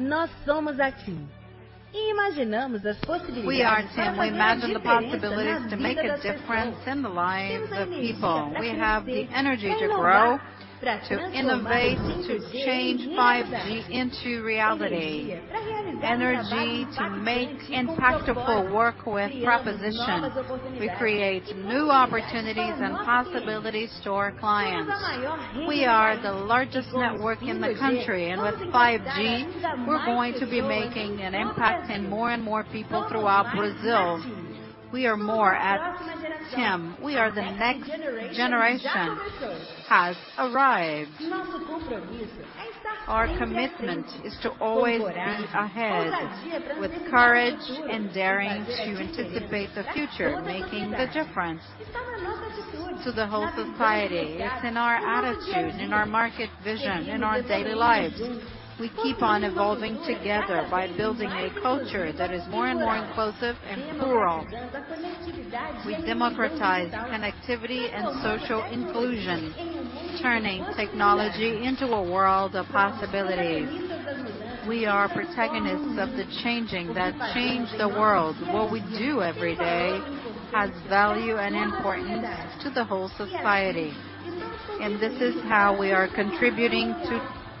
Nós somos a TIM. Imaginamos as possibilidades para fazer a diferença na vida das pessoas. Temos a energia pra crescer, pra inovar, pra transformar o 5G em realidade. Energia pra realizar o trabalho impactante com propósito, criando novas oportunidades e possibilidades para os nossos clientes. Somos a maior rede do país e com o 5G vamos impactar ainda mais pessoas em todo o Brasil. Somos mais que a TIM, somos a próxima geração. A next generation já começou. O nosso compromisso é estar sempre à frente, com coragem, com ousadia, prevendo o futuro e fazendo a diferença para toda a sociedade. Está na nossa atitude, na nossa visão de mercado, no nosso dia a dia. Nós seguimos evoluindo juntos, construindo uma cultura cada vez mais inclusiva e plural. Democratizamos a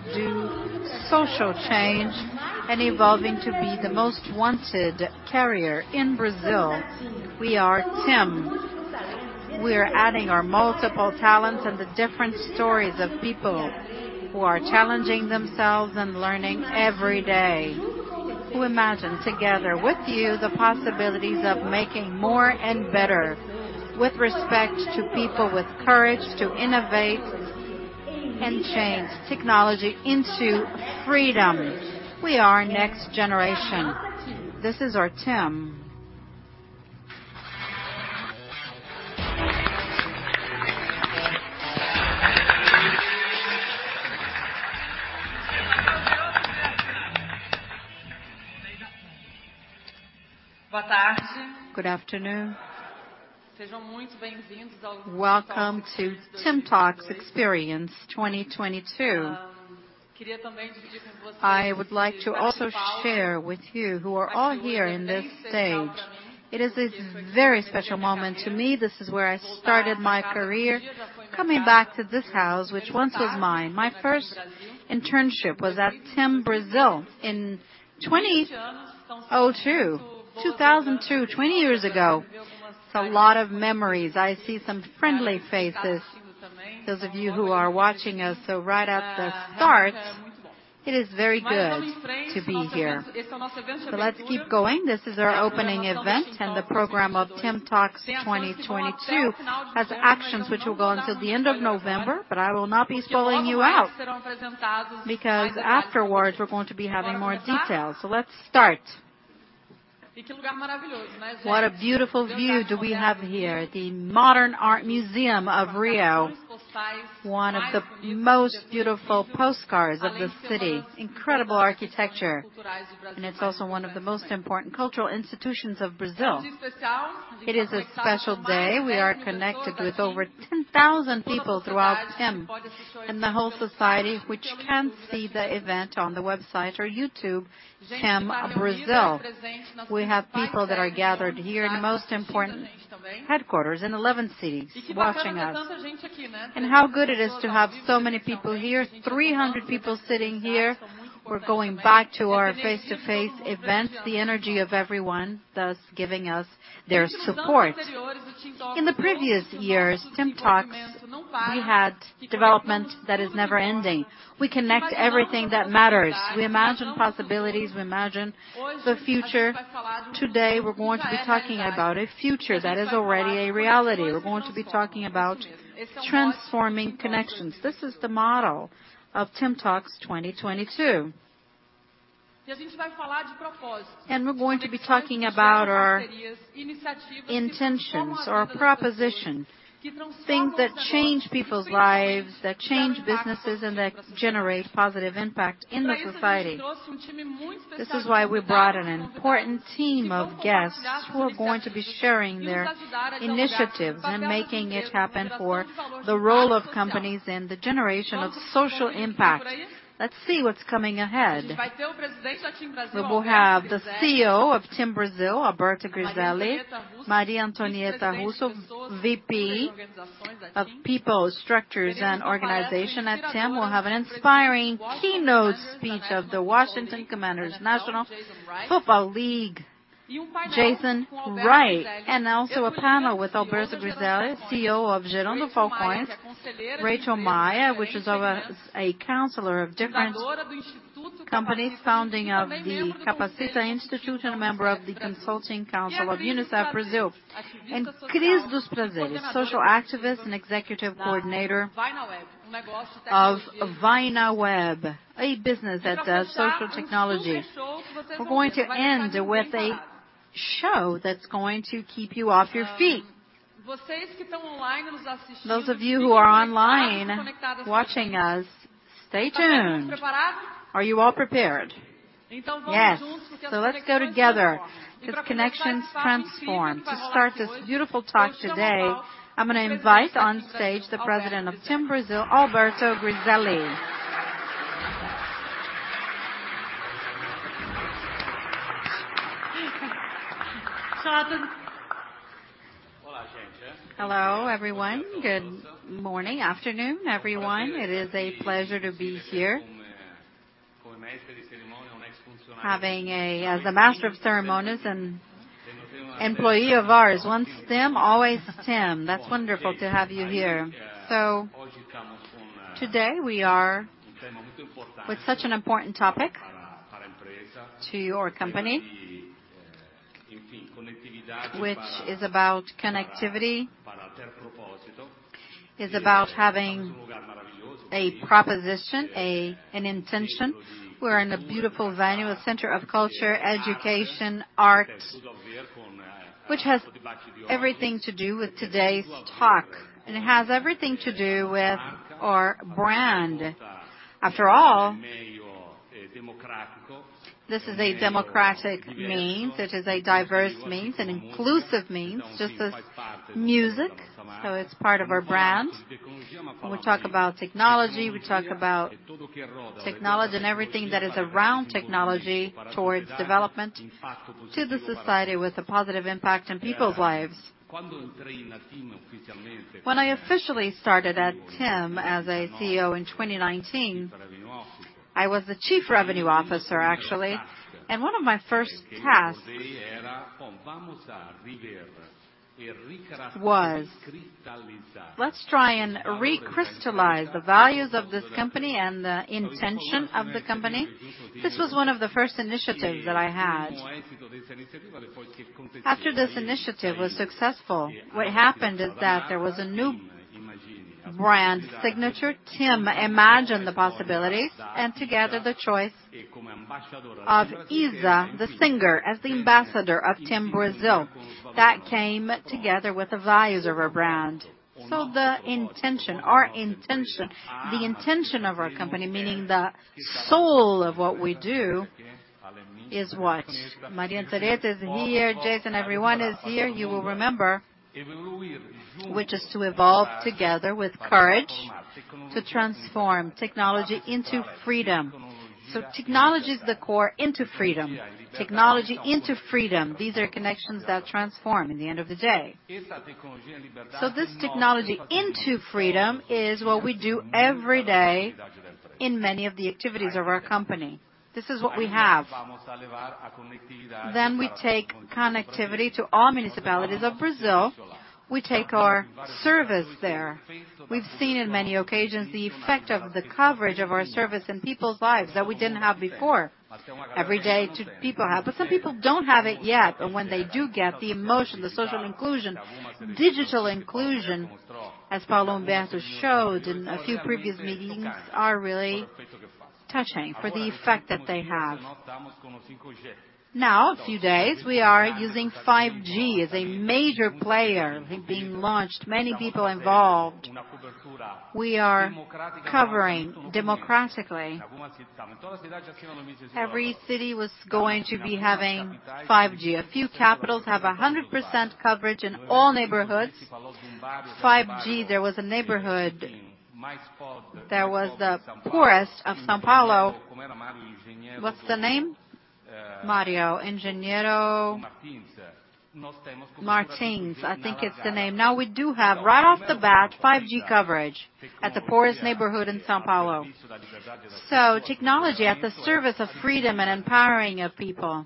conectividade e a inclusão social, transformando a tecnologia em um mundo de possibilidades. Somos protagonistas das mudanças que transformam o mundo. O que fazemos todos os dias tem valor e importância para toda a sociedade. É assim que contribuímos para a mudança social e evoluímos para ser a operadora mais desejada do Brasil. Nós somos a TIM. Somos a soma de múltiplos talentos e das histórias diferentes de pessoas que se desafiam e aprendem todos os dias, que imaginam junto com você as possibilidades de fazer mais e melhor, com respeito às pessoas, com coragem de inovar e transformar a tecnologia em liberdade. We are next generation. This is our TIM. Boa tarde. Good afternoon. Sejam muito bem-vindos ao TIM Talks Experience 2022. Queria também dividir com vocês que estar aqui no palco, aqui no meu trem especial pra mim, porque esse foi o lugar onde eu comecei a minha carreira. Voltar pra casa que um dia já foi minha casa, estagiar aqui na TIM Brasil com 18 aninhos. 20 anos, são 172 dias. São várias, eu recebi algumas mensagens de pessoas que estão assistindo também. Então é uma emoção muito boa. É muito bom. Mas vamos em frente. Esse é o nosso evento de abertura da programação da TIM Talks 2022. Tem ações que vão até o final de novembro, mas eu não vou estourar agora, porque logo mais serão apresentados mais detalhes. Então, vamos começar? E que lugar maravilhoso, né, gente? O Museu de Arte Moderna do Rio. As visões postais mais conhecidas da cidade do Rio, além de ser uma das instituições culturais do Brasil mais importantes do Brasil também. Evento especial. Estamos conectados com mais de 10,000 pessoas aqui e toda a sociedade que pode assistir esse evento pelo nosso site ou pelo YouTube TIM Brasil. Gente que está reunida presente na nossa sede aqui no centro da gente também. Que está acompanhando tanta gente aqui, né? 300 pessoas ouvindo a gente ao vivo. A gente continua com a nossa tradição muito forte também de eventos presenciais. Que nos anos anteriores do TIM Talks, mostramos que o nosso ciclo de desenvolvimento não para e que conectamos o que importa. Imaginamos possibilidades, imaginamos o futuro. Hoje a gente vai falar de um futuro que já é presente. A gente vai falar de conexões transformadoras, isso mesmo. Esse é o nosso TIM Talks 2022. A gente vai falar de propósito, de conexões que geram parcerias, iniciativas que transformam a vida das pessoas, que transformam os negócios, que geram impacto positivo pra sociedade. Por isso, a gente trouxe um time muito especial de convidados pra contar pra vocês e que vão compartilhar suas iniciativas e nos ajudar a dialogar sobre o papel das empresas em relação aos valores do impacto social. Vamos descobrir quem vem por aí? A gente vai ter o presidente da TIM Brasil, Alberto Griselli, Maria Antonietta Russo, que é dirigente de pessoas, estruturas e organização da TIM. Teremos um palestrante inspirador, o presidente Washington Commanders National Football League, Jason Wright. Um painel com Alberto Griselli. Eu sou a Edu Lyra, CEO de Gerando Falcões. Rachel Maia, que é conselheira de empresas de diferentes áreas, fundadora do Instituto Capacita, além membro do Conselho Consultivo do UNICEF Brasil. Cris dos Prazeres, ativista social e coordenadora executiva da Vai na Web, um negócio de tecnologia. Pra fechar, um super show que vai deixar vocês de pé. Vocês que tão online nos assistindo, fiquem conectados, conectadas com a gente. Stay tuned. Are you all prepared? Yes. Let's go together, 'cause connections transform. To start this beautiful talk today, I'm gonna invite on stage the president of TIM Brasil, Alberto Griselli. Hola, gente. Hello, everyone. Good afternoon, everyone. It is a pleasure to be here. As a master of ceremonies and employee of ours. Once TIM, always TIM. That's wonderful to have you here. Today, we are with such an important topic to your company, which is about connectivity, is about having a proposition, a, an intention. We're in a beautiful venue, a center of culture, education, arts, which has everything to do with today's talk, and it has everything to do with our brand. After all, this is a democratic means, it is a diverse means, an inclusive means, just as music. It's part of our brand. When we talk about technology, we talk about technology and everything that is around technology towards development to the society with a positive impact in people's lives. When I officially started at TIM as a CEO in 2019, I was the Chief Revenue Officer, actually. One of my first tasks was, let's try and recrystallize the values of this company and the intention of the company. This was one of the first initiatives that I had. After this initiative was successful, what happened is that there was a new brand signature. TIM imagined the possibilities, and together the choice of IZA the singer, as the ambassador of TIM Brasil. That came together with the values of our brand. The intention, our intention, the intention of our company, meaning the soul of what we do, is what Maria Tereza is here, Jason, everyone is here, you will remember, which is to evolve together with courage, to transform technology into freedom. Technology is the core into freedom. Technology into freedom. These are connections that transform in the end of the day. This technology into freedom is what we do every day in many of the activities of our company. This is what we have. We take connectivity to all municipalities of Brazil. We take our service there. We've seen in many occasions the effect of the coverage of our service in people's lives that we didn't have before. Every day too, people have, but some people don't have it yet. When they do get the emotion, the social inclusion, digital inclusion, as Paulo Humberto showed in a few previous meetings, are really touching for the effect that they have. Now, a few days, we are using 5G as a major player being launched, many people involved. We are covering democratically. Every city was going to be having 5G. A few capitals have 100% coverage in all neighborhoods. 5G, there was a neighborhood that was the poorest of São Paulo. What's the name? Mario, Engenheiro Matinghe I think it's the name. Now, we do have right off the bat, 5G coverage at the poorest neighborhood in São Paulo. Technology at the service of freedom and empowering of people.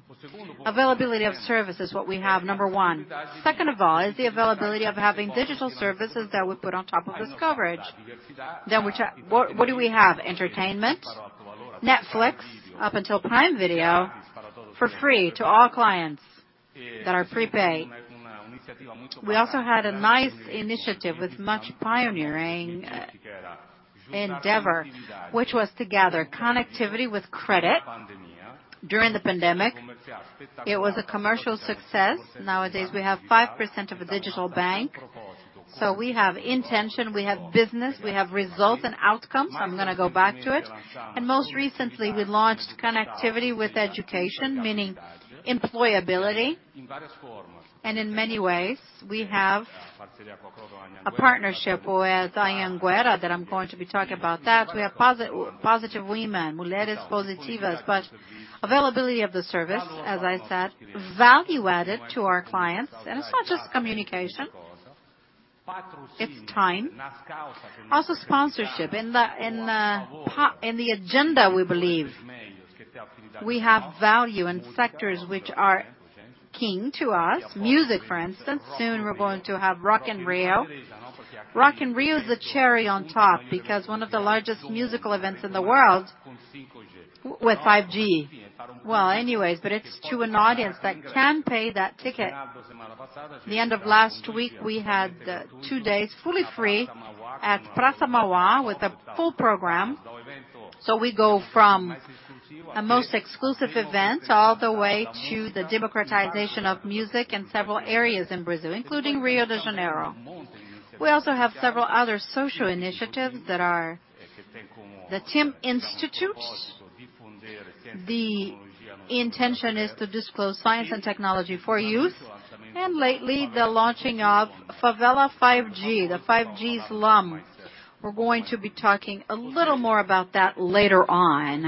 Availability of service is what we have, number one. Second of all, is the availability of having digital services that we put on top of this coverage. What do we have? Entertainment, Netflix, up until Prime Video for free to all clients that are prepaid. We also had a nice initiative with much pioneering, endeavor, which was to gather connectivity with credit during the pandemic. It was a commercial success. Nowadays, we have 5% of a digital bank. We have intention, we have business, we have results and outcomes. I'm gonna go back to it. Most recently, we launched connectivity with education, meaning employability. In many ways, we have a partnership with Anhanguera that I'm going to be talking about that. We have positive women, Mulheres Positivas. Availability of the service, as I said, value added to our clients. It's not just communication. It's time. Also sponsorship. In the agenda, we believe. We have value in sectors which are key to us. Music, for instance. Soon, we're going to have Rock in Rio. Rock in Rio is the cherry on top because one of the largest musical events in the world with 5G. Well, anyways, it's to an audience that can pay that ticket. The end of last week, we had two days fully free at Praça Mauá with a full program. We go from a most exclusive event all the way to the democratization of music in several areas in Brazil, including Rio de Janeiro. We also have several other social initiatives that are the Instituto TIM. The intention is to disclose science and technology for youth, and lately, the launching of Favela 5G, the 5G slum. We're going to be talking a little more about that later on.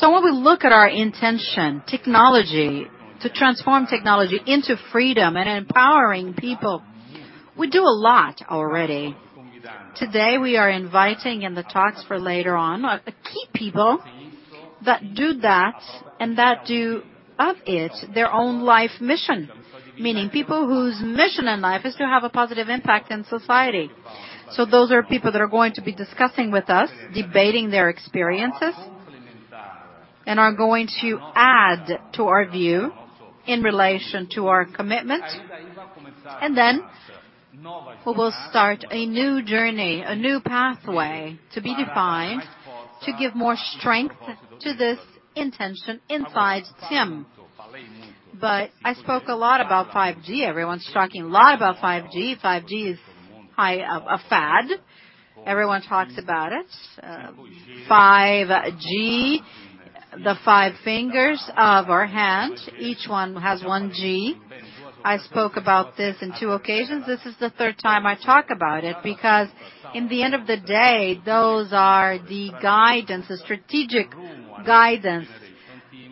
When we look at our intention, technology, to transform technology into freedom and empowering people, we do a lot already. Today, we are inviting in the talks for later on the key people that do that and that do of it their own life mission. Meaning people whose mission in life is to have a positive impact in society. Those are people that are going to be discussing with us, debating their experiences, and are going to add to our view in relation to our commitment. We will start a new journey, a new pathway to be defined, to give more strength to this intention inside TIM. I spoke a lot about 5G. Everyone's talking a lot about 5G. 5G is a fad. Everyone talks about it. 5G, the five fingers of our hand, each one has one G. I spoke about this in two occasions. This is the third time I talk about it, because in the end of the day, those are the guidance, the strategic guidance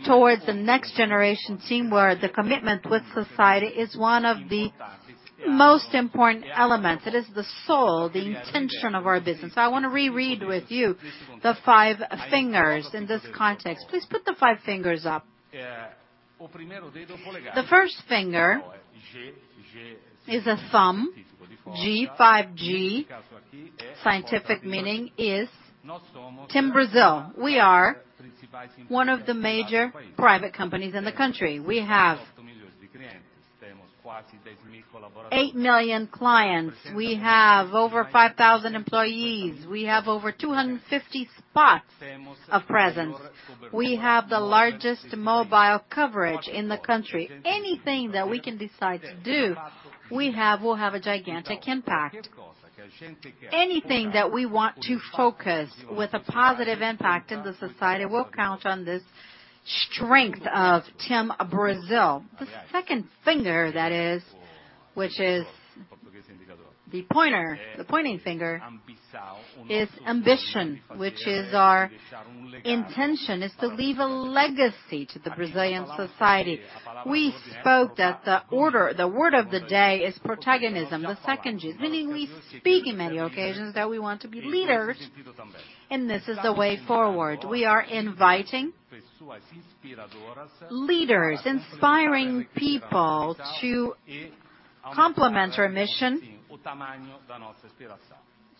towards the next generation TIM, where the commitment with society is one of the most important elements. It is the soul, the intention of our business. I wanna reread with you the five fingers in this context. Please put the five fingers up. The first finger is a thumb. G, 5G, scientific meaning is TIM Brasil. We are one of the major private companies in the country. We have 8 million clients. We have over 5,000 employees. We have over 250 spots of presence. We have the largest mobile coverage in the country. Anything that we can decide to do, we'll have a gigantic impact. Anything that we want to focus with a positive impact in the society will count on this strength of TIM Brasil. The second finger, that is, which is the pointer, the pointing finger, is ambition, which is our intention, is to leave a legacy to the Brazilian society. We spoke that the order, the word of the day is protagonism, the second G. Meaning we speak in many occasions that we want to be leaders, and this is the way forward. We are inviting leaders, inspiring people to complement our mission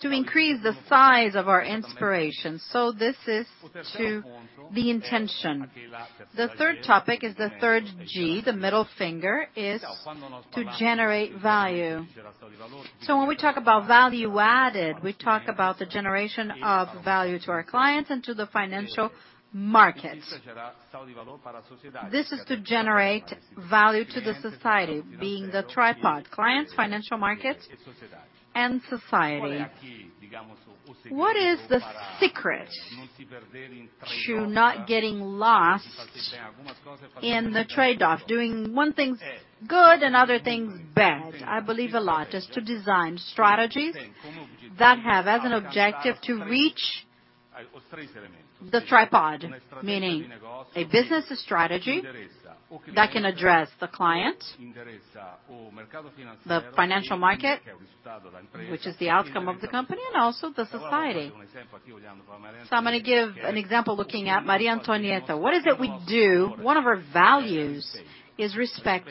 to increase the size of our inspiration. This is to the intention. The third topic is the third G, the middle finger, is to generate value. When we talk about value added, we talk about the generation of value to our clients and to the financial markets. This is to generate value to the society, being the tripod, clients, financial markets and society. What is the secret to not getting lost in the trade-off, doing one thing good and other things bad? I believe a lot is to design strategies that have as an objective to reach the tripod. Meaning a business strategy that can address the client, the financial market, which is the outcome of the company, and also the society. I'm gonna give an example looking at Maria Antonietta. What is it we do? One of our values is respect.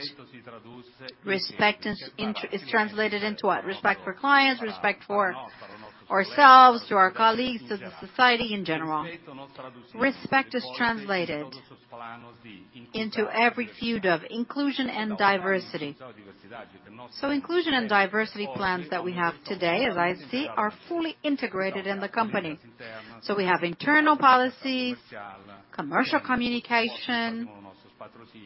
Respect is translated into what? Respect for clients, respect for ourselves, to our colleagues, to the society in general. Respect is translated into every field of inclusion and diversity. Inclusion and diversity plans that we have today, as I see, are fully integrated in the company. We have internal policies, commercial communication.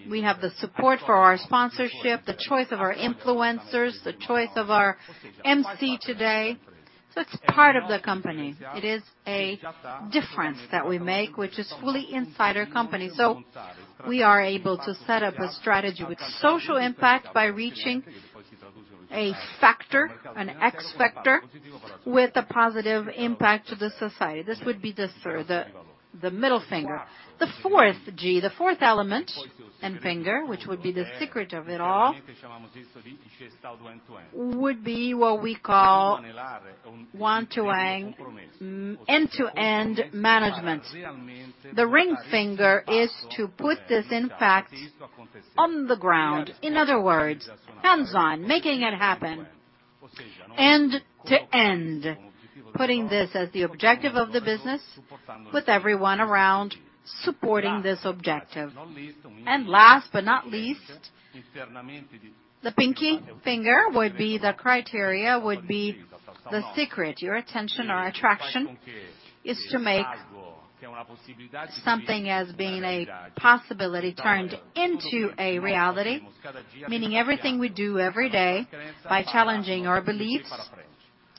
We have the support for our sponsorship, the choice of our influencers, the choice of our emcee today. It's part of the company. It is a difference that we make, which is fully inside our company. We are able to set up a strategy with social impact by reaching a factor, an X factor with a positive impact to the society. This would be the the middle finger. The fourth finger, the fourth element and finger, which would be the secret of it all, would be what we call one-to-one, end-to-end management. The ring finger is to put this impact on the ground. In other words, hands-on, making it happen end to end, putting this as the objective of the business with everyone around supporting this objective. Last but not least, the pinky finger would be the criteria, would be the secret. Your attention, our attraction is to make something as being a possibility turned into a reality, meaning everything we do every day by challenging our beliefs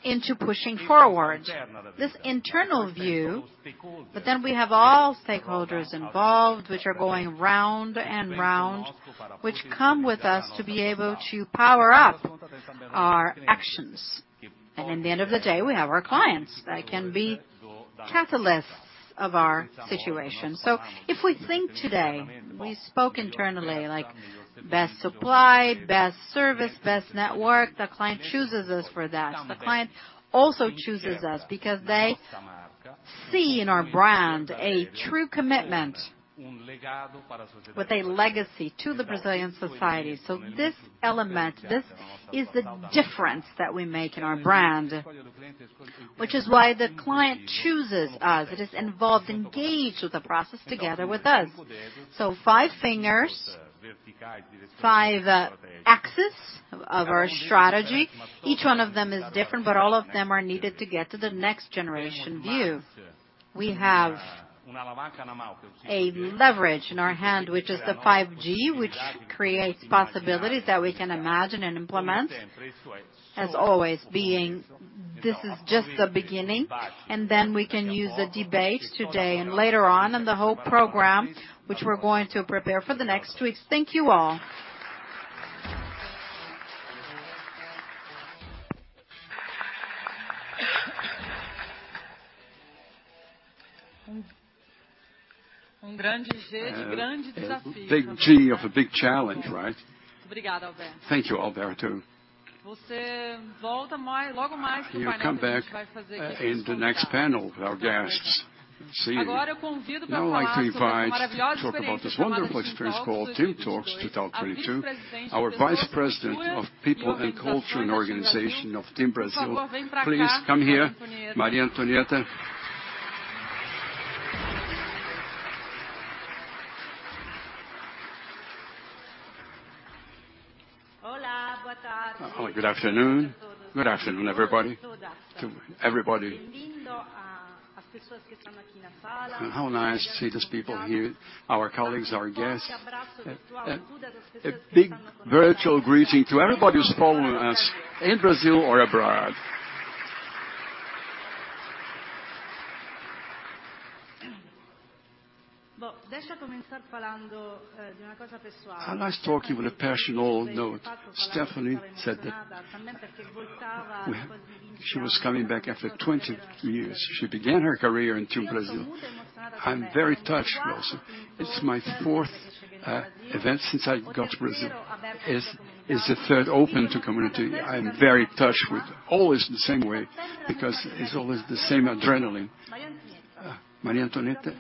into pushing forward. This internal view, but then we have all stakeholders involved, which are going round and round, which come with us to be able to power up our actions. In the end of the day, we have our clients that can be catalysts of our situation. If we think today, we spoke internally, like best supply, best service, best network, the client chooses us for that. The client also chooses us because they see in our brand a true commitment with a legacy to the Brazilian society. This element, this is the difference that we make in our brand, which is why the client chooses us. It is involved, engaged with the process together with us. Five fingers, five, axis of our strategy. Each one of them is different, but all of them are needed to get to the next generation view. We have a leverage in our hand, which is the 5G, which creates possibilities that we can imagine and implement. As always, being this is just the beginning, and then we can use the debate today and later on in the whole program, which we're going to prepare for the next weeks. Thank you all. 5G of a big challenge, right? Thank you, Alberto. You'll come back in the next panel with our guests. See you. Now I'd like to invite to talk about this wonderful experience called TIM Talks 2022, our Vice President of People and Culture and Organization of TIM Brasil. Please come here, Maria Antonietta Russo. Hola, good afternoon. Good afternoon, everybody. To everybody. How nice to see these people here, our colleagues, our guests. A big virtual greeting to everybody who's following us in Brazil or abroad. I'd like to start talking with a personal note. Stéphanie said that she was coming back after 20 years. She began her career in TIM Brasil. I'm very touched also. It's my fourth event since I got to Brazil. It's the third open to community. I'm very touched with always the same way because it's always the same adrenaline. Maria Antonietta,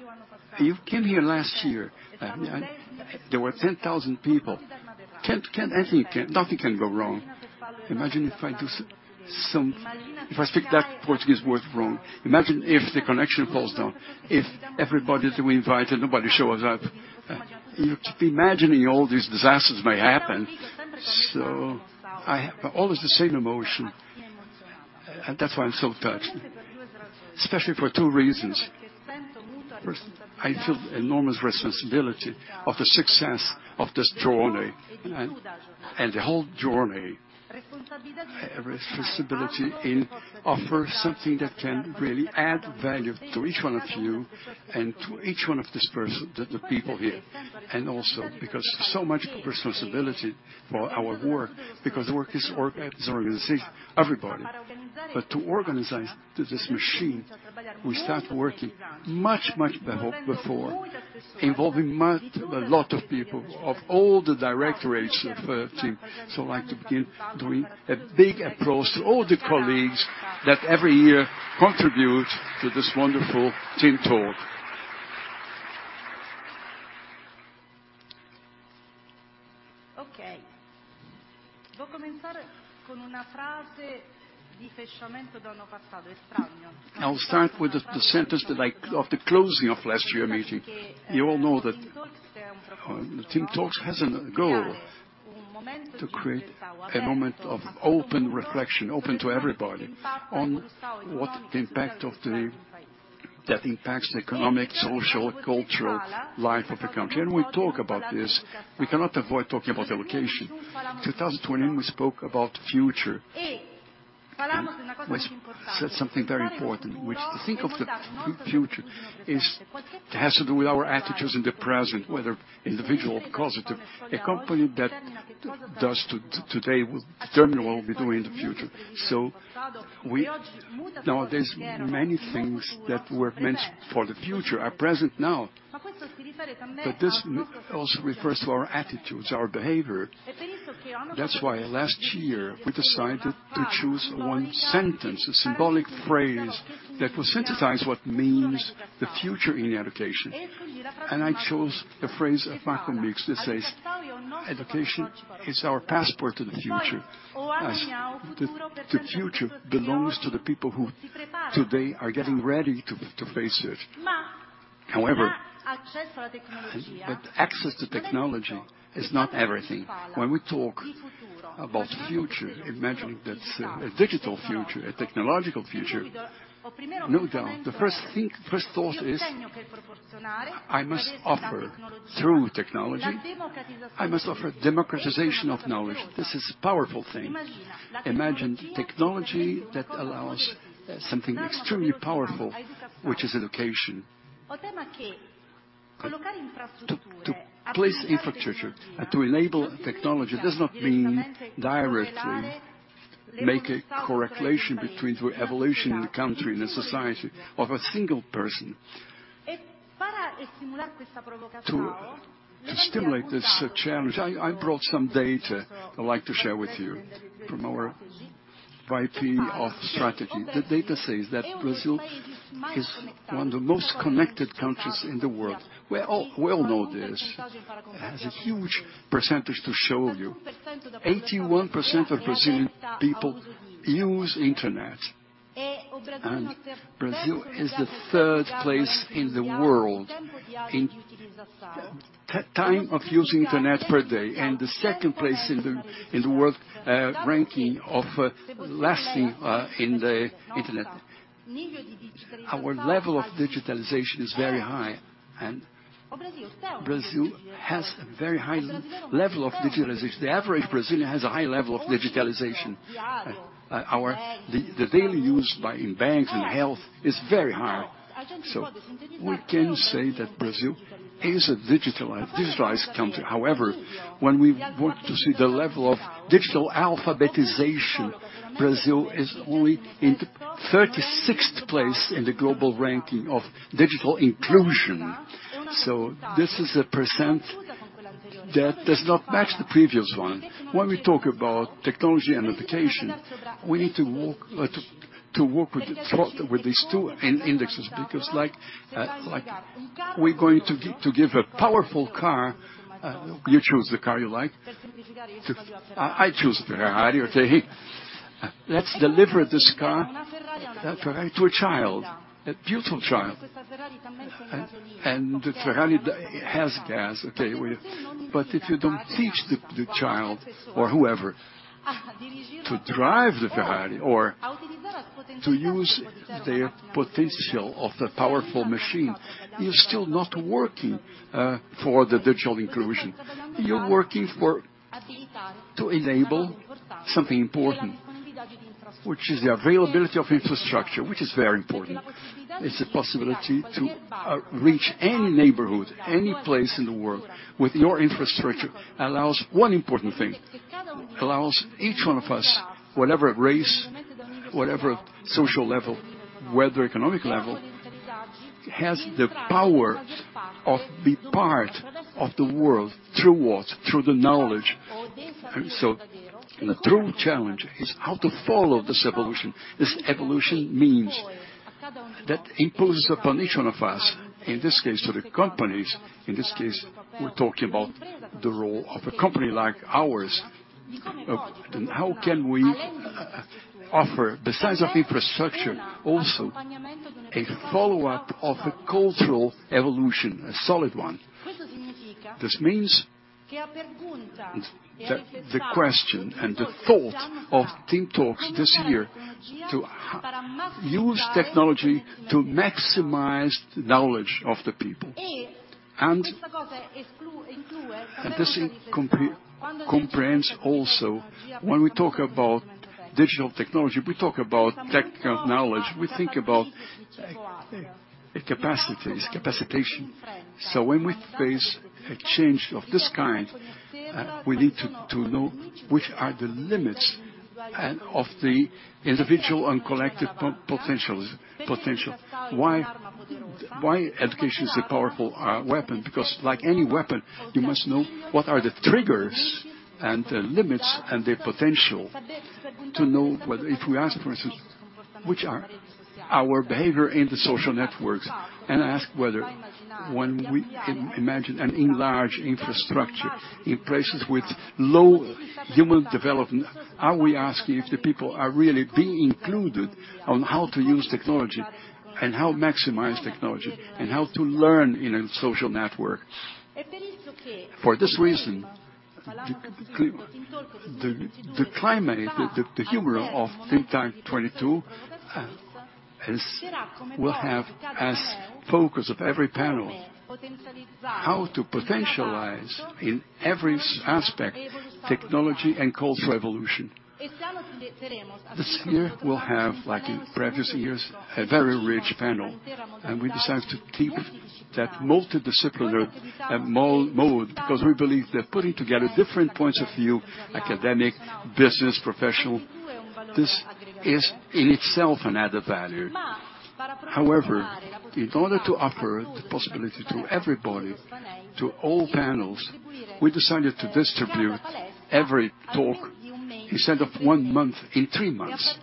you came here last year. There were 10,000 people. Nothing can go wrong. Imagine if I speak that Portuguese word wrong. Imagine if the connection falls down, if everybody that we invited, nobody shows up. You keep imagining all these disasters may happen. I have always the same emotion, that's why I'm so touched, especially for two reasons. First, I feel enormous responsibility of the success of this journey and the whole journey. Responsibility in offer something that can really add value to each one of you and to each one of this person, the people here. Also because so much responsibility for our work, because work is this organization, everybody. To organize this machine, we start working much before, involving a lot of people of all the directorates of TIM. I'd like to begin doing a big applause to all the colleagues that every year contribute to this wonderful TIM Talk. I'll start with the sentence of the closing of last year meeting. You all know that the TIM Talks has a goal to create a moment of open reflection, open to everybody on what that impacts the economic, social, cultural life of the country. We talk about this. We cannot avoid talking about education. 2020, we spoke about future. We said something very important, which to think of the future is it has to do with our attitudes in the present, whether individual or collective. A company that does today will determine what we'll be doing in the future. Nowadays, many things that were meant for the future are present now. This also refers to our attitudes, our behavior. That's why last year we decided to choose one sentence, a symbolic phrase that will synthesize what means the future in education. I chose the phrase of Malcolm X that says, "Education is our passport to the future." The future belongs to the people who today are getting ready to face it. But access to technology is not everything. When we talk about future, imagine that a digital future, a technological future, no doubt, the first thing, first thought is, I must offer through technology, I must offer democratization of knowledge. This is powerful thing. Imagine technology that allows something extremely powerful, which is education. To place infrastructure, to enable technology does not mean directly make a correlation between the evolution in the country, in a society of a single person. To stimulate this challenge, I brought some data I'd like to share with you from our VP of Strategy. The data says that Brazil is one of the most connected countries in the world. We all well know this. It has a huge percentage to show you. 81% of Brazilian people use Internet, and Brazil is the third place in the world in time of using Internet per day, and the second place in the world ranking of time spent in the Internet. Our level of digitalization is very high, and Brazil has a very high level of digitalization. The average Brazilian has a high level of digitalization. The daily use in banks and health is very high. We can say that Brazil is a digitalized country. However, when we want to see the level of digital literacy, Brazil is only in 36th place in the global ranking of digital inclusion. This is a percentage that does not match the previous one. When we talk about technology and education, we need to walk with these two indices, because like we're going to give a powerful car, you choose the car you like. I choose Ferrari or say let's deliver this car, that Ferrari to a child, a beautiful child. The Ferrari has gas, okay, but if you don't teach the child or whoever to drive the Ferrari or to use their potential of the powerful machine, you're still not working for the digital inclusion. You're working to enable something important, which is the availability of infrastructure, which is very important. It's a possibility to reach any neighborhood, any place in the world with your infrastructure allows one important thing. Allows each one of us, whatever race, whatever social level, whatever economic level, has the power of be part of the world through what? Through the knowledge. The true challenge is how to follow this evolution. This evolution means that imposes a punishment of us, in this case, to the companies, in this case, we're talking about the role of a company like ours. How can we offer besides of infrastructure, also a follow-up of a cultural evolution, a solid one. This means that the question and the thought of TIM Talks this year to use technology to maximize knowledge of the people. This comprehends also when we talk about digital technology, we talk about technical knowledge, we think about a capacities, capacitation. When we face a change of this kind, we need to know which are the limits and of the individual and collective potentials. Why education is a powerful weapon? Because like any weapon, you must know what are the triggers and the limits and the potential to know whether, if we ask, for instance, which are our behavior in the social networks, and ask whether when we imagine an enlarged infrastructure in places with low human development, are we asking if the people are really being included on how to use technology and how maximize technology and how to learn in a social network? For this reason, the climate, the theme of Think Tank 2022, will have as focus of every panel how to potentialize in every aspect technology and cultural evolution. This year, we'll have, like in previous years, a very rich panel, and we decided to keep that multidisciplinary mode because we believe that putting together different points of view, academic, business, professional, this is in itself an added value. However, in order to offer the possibility to everybody, to all panels, we decided to distribute every talk instead of one month in three months.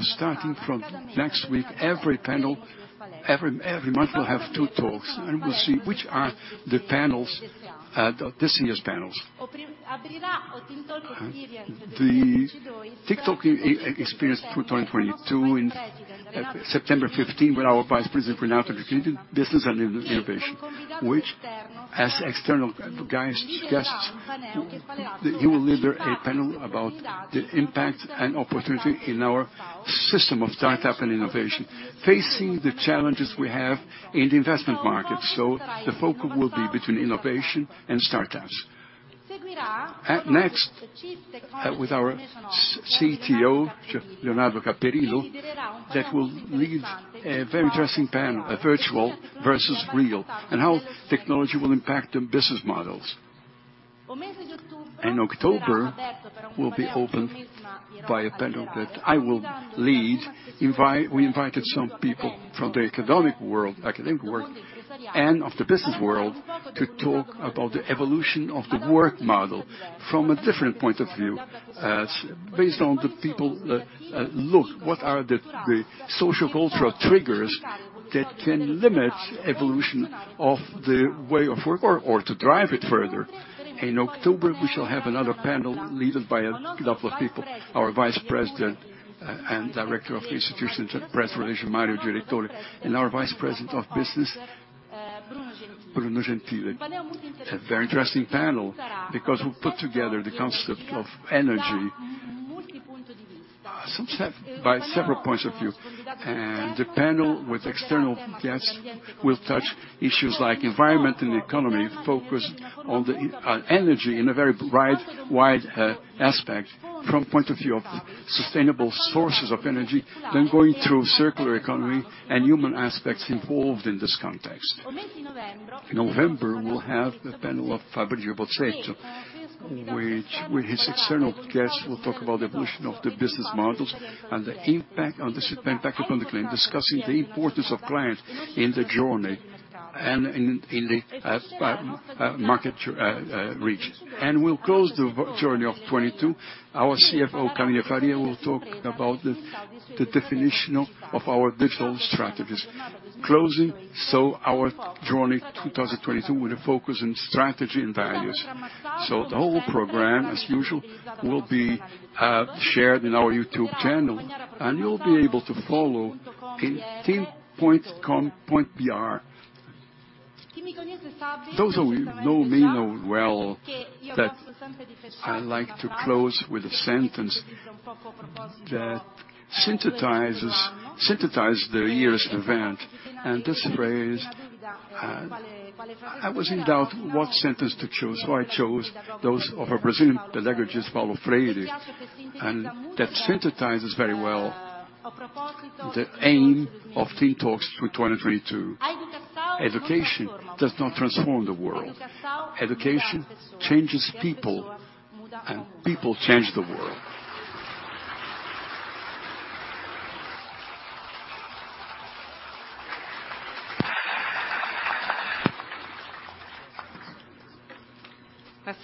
Starting from next week, every panel, every month we'll have two talks, and we'll see which are the panels, this year's panels. The TIM Talks Experience 2022 in September 15th with our Vice President Renato Ciuchini, Business and Innovation, which has external guests. He will lead there a panel about the impact and opportunity in our system of startup and innovation, facing the challenges we have in the investment market. The focus will be between innovation and startups. Next, with our CTO, Leonardo Capdeville, that will lead a very interesting panel, virtual versus real, and how technology will impact the business models. October will be opened by a panel that I will lead. We invited some people from the economic world, academic world, and of the business world to talk about the evolution of the work model from a different point of view, based on the people, look what are the sociocultural triggers that can limit evolution of the way of work or to drive it further. In October, we shall have another panel led by a couple of people, our Vice President and Director of the Institutional and Press Relations, Mario Girasole, and our Vice President of Business, Bruno Gentil. A very interesting panel because we put together the concept of energy from several points of view, and the panel with external guests will touch issues like environment and economy, focus on the energy in a very bright, wide aspect from the point of view of sustainable sources of energy, then going through circular economy and human aspects involved in this context. In November, we'll have the panel of Fabrizio Bozzetto, which with his external guests will talk about the evolution of the business models and the impact on the customer, discussing the importance of clients in the journey and in the market reach. We'll close the journey of 2022, our CFO Camille Faria will talk about the definition of our digital strategies. Closing our journey 2022 with a focus on strategy and values. The whole program, as usual, will be shared in our YouTube channel, and you'll be able to follow in tim.com.br. Those of you who know me know well that I like to close with a sentence that synthesizes the year's event. This phrase, I was in doubt what sentence to choose, so I chose those of a Brazilian pedagogue, Paulo Freire, and that synthesizes very well the aim of TIM Talks through 2022. Education does not transform the world. Education changes people, and people change the world. It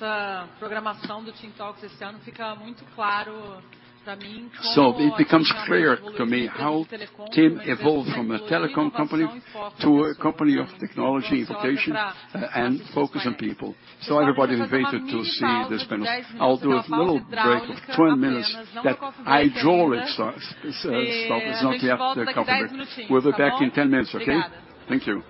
becomes clear to me how TIM evolved from a telecom company to a company of technology, innovation, and focus on people. Everybody is invited to see these panels. I'll do a little break of 12 minutes that's a short stop. It's not yet the coffee break. We'll be back in 10 minutes, okay. Thank you.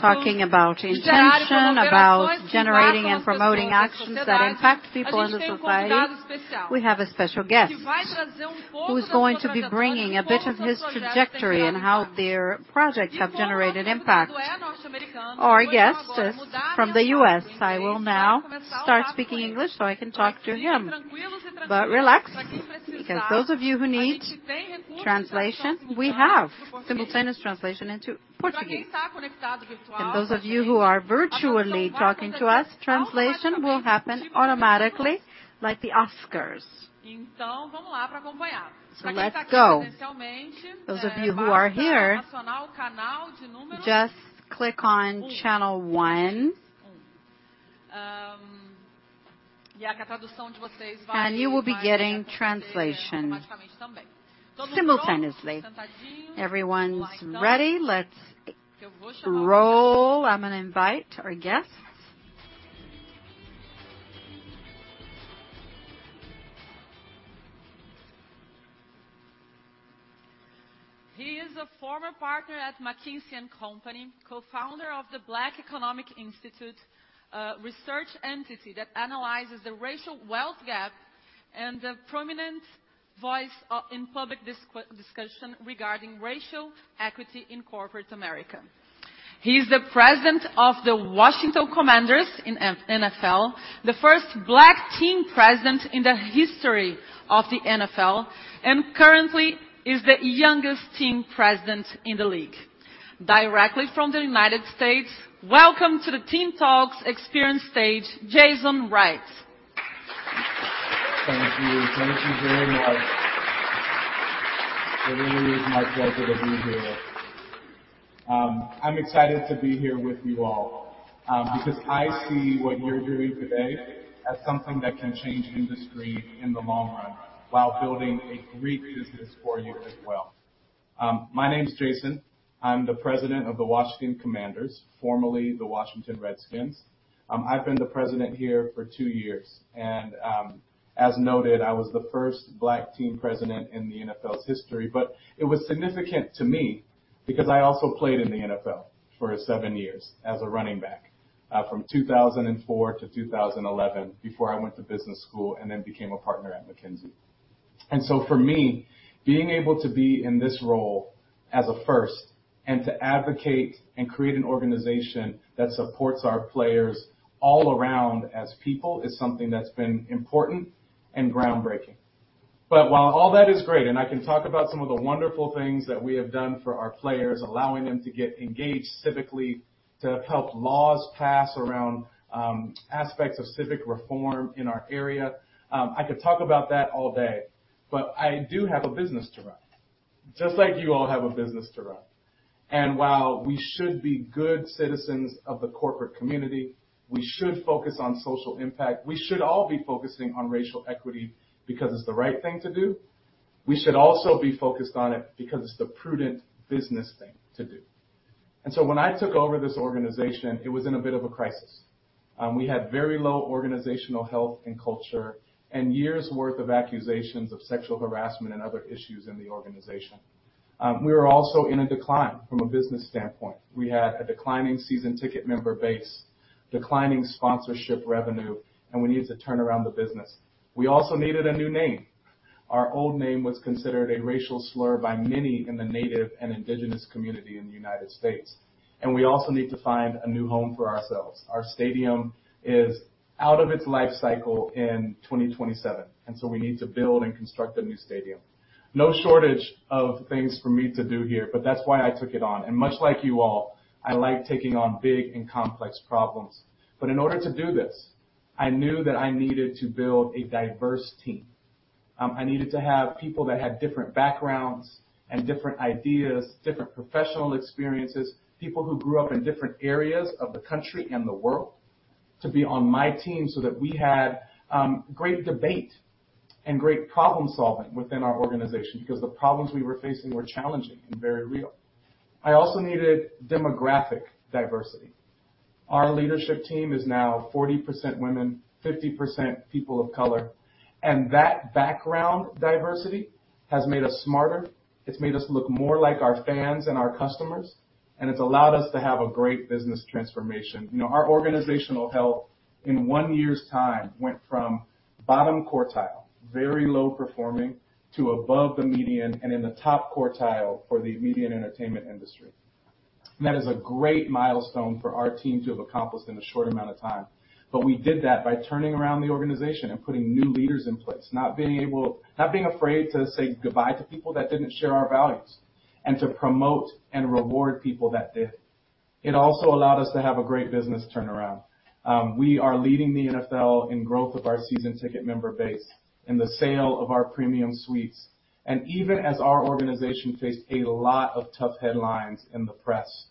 Talking about intention, about generating and promoting actions that impact people in the society, we have a special guest who's going to be bringing a bit of his trajectory and how their projects have generated impact. Our guest is from the U.S. I will now start speaking English so I can talk to him. Relax, because those of you who need translation, we have simultaneous translation into Portuguese. Those of you who are virtually talking to us, translation will happen automatically like the Oscars. Let's go. Those of you who are here, just click on channel one. You will be getting translation simultaneously. Everyone's ready. Let's roll. I'm gonna invite our guest. He is a former partner at McKinsey & Company, Co-Founder of the Black Economic Alliance, a research entity that analyzes the racial wealth gap and a prominent voice in public discussion regarding racial equity in corporate America. He is the President of the Washington Commanders in the NFL, the first Black team president in the history of the NFL, and currently is the youngest Team President in the league. Directly from the United States, welcome to the TIM Talks Experience stage, Jason Wright. Thank you. Thank you very much. It really is my pleasure to be here. I'm excited to be here with you all, because I see what you're doing today as something that can change industry in the long run while building a great business for you as well. My name's Jason. I'm the President of the Washington Commanders, formerly the Washington Redskins. I've been the President here for two years, and, as noted, I was the first Black team president in the NFL's history. It was significant to me because I also played in the NFL for seven years as a running back, from 2004 to 2011 before I went to business school and then became a partner at McKinsey. For me, being able to be in this role as a first and to advocate and create an organization that supports our players all around as people is something that's been important and groundbreaking. While all that is great, and I can talk about some of the wonderful things that we have done for our players, allowing them to get engaged civically, to help laws pass around aspects of civic reform in our area, I could talk about that all day, but I do have a business to run, just like you all have a business to run. While we should be good citizens of the corporate community, we should focus on social impact. We should all be focusing on racial equity because it's the right thing to do. We should also be focused on it because it's the prudent business thing to do. When I took over this organization, it was in a bit of a crisis. We had very low organizational health and culture and years' worth of accusations of sexual harassment and other issues in the organization. We were also in a decline from a business standpoint. We had a declining season ticket member base, declining sponsorship revenue, and we needed to turn around the business. We also needed a new name. Our old name was considered a racial slur by many in the native and indigenous community in the United States. We also need to find a new home for ourselves. Our stadium is out of its life cycle in 2027, and so we need to build and construct a new stadium. No shortage of things for me to do here, but that's why I took it on. Much like you all, I like taking on big and complex problems. In order to do this, I knew that I needed to build a diverse team. I needed to have people that had different backgrounds and different ideas, different professional experiences, people who grew up in different areas of the country and the world to be on my team so that we had great debate and great problem-solving within our organization because the problems we were facing were challenging and very real. I also needed demographic diversity. Our leadership team is now 40% women, 50% people of color, and that background diversity has made us smarter, it's made us look more like our fans and our customers, and it's allowed us to have a great business transformation. You know, our organizational health in one year's time went from bottom quartile, very low performing, to above the median and in the top quartile for the media and entertainment industry. That is a great milestone for our team to have accomplished in a short amount of time. We did that by turning around the organization and putting new leaders in place, not being afraid to say goodbye to people that didn't share our values and to promote and reward people that did. It also allowed us to have a great business turnaround. We are leading the NFL in growth of our season ticket member base, in the sale of our premium suites. Even as our organization faced a lot of tough headlines in the press,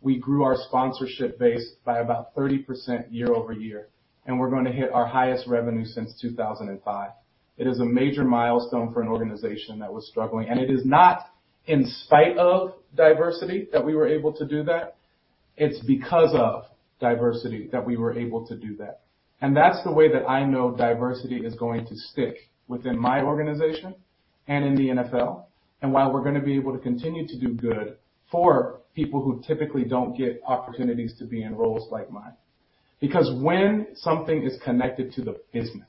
we grew our sponsorship base by about 30% year-over-year, and we're going to hit our highest revenue since 2005. It is a major milestone for an organization that was struggling, and it is not in spite of diversity that we were able to do that. It's because of diversity that we were able to do that. That's the way that I know diversity is going to stick within my organization and in the NFL. While we're gonna be able to continue to do good for people who typically don't get opportunities to be in roles like mine. Because when something is connected to the business,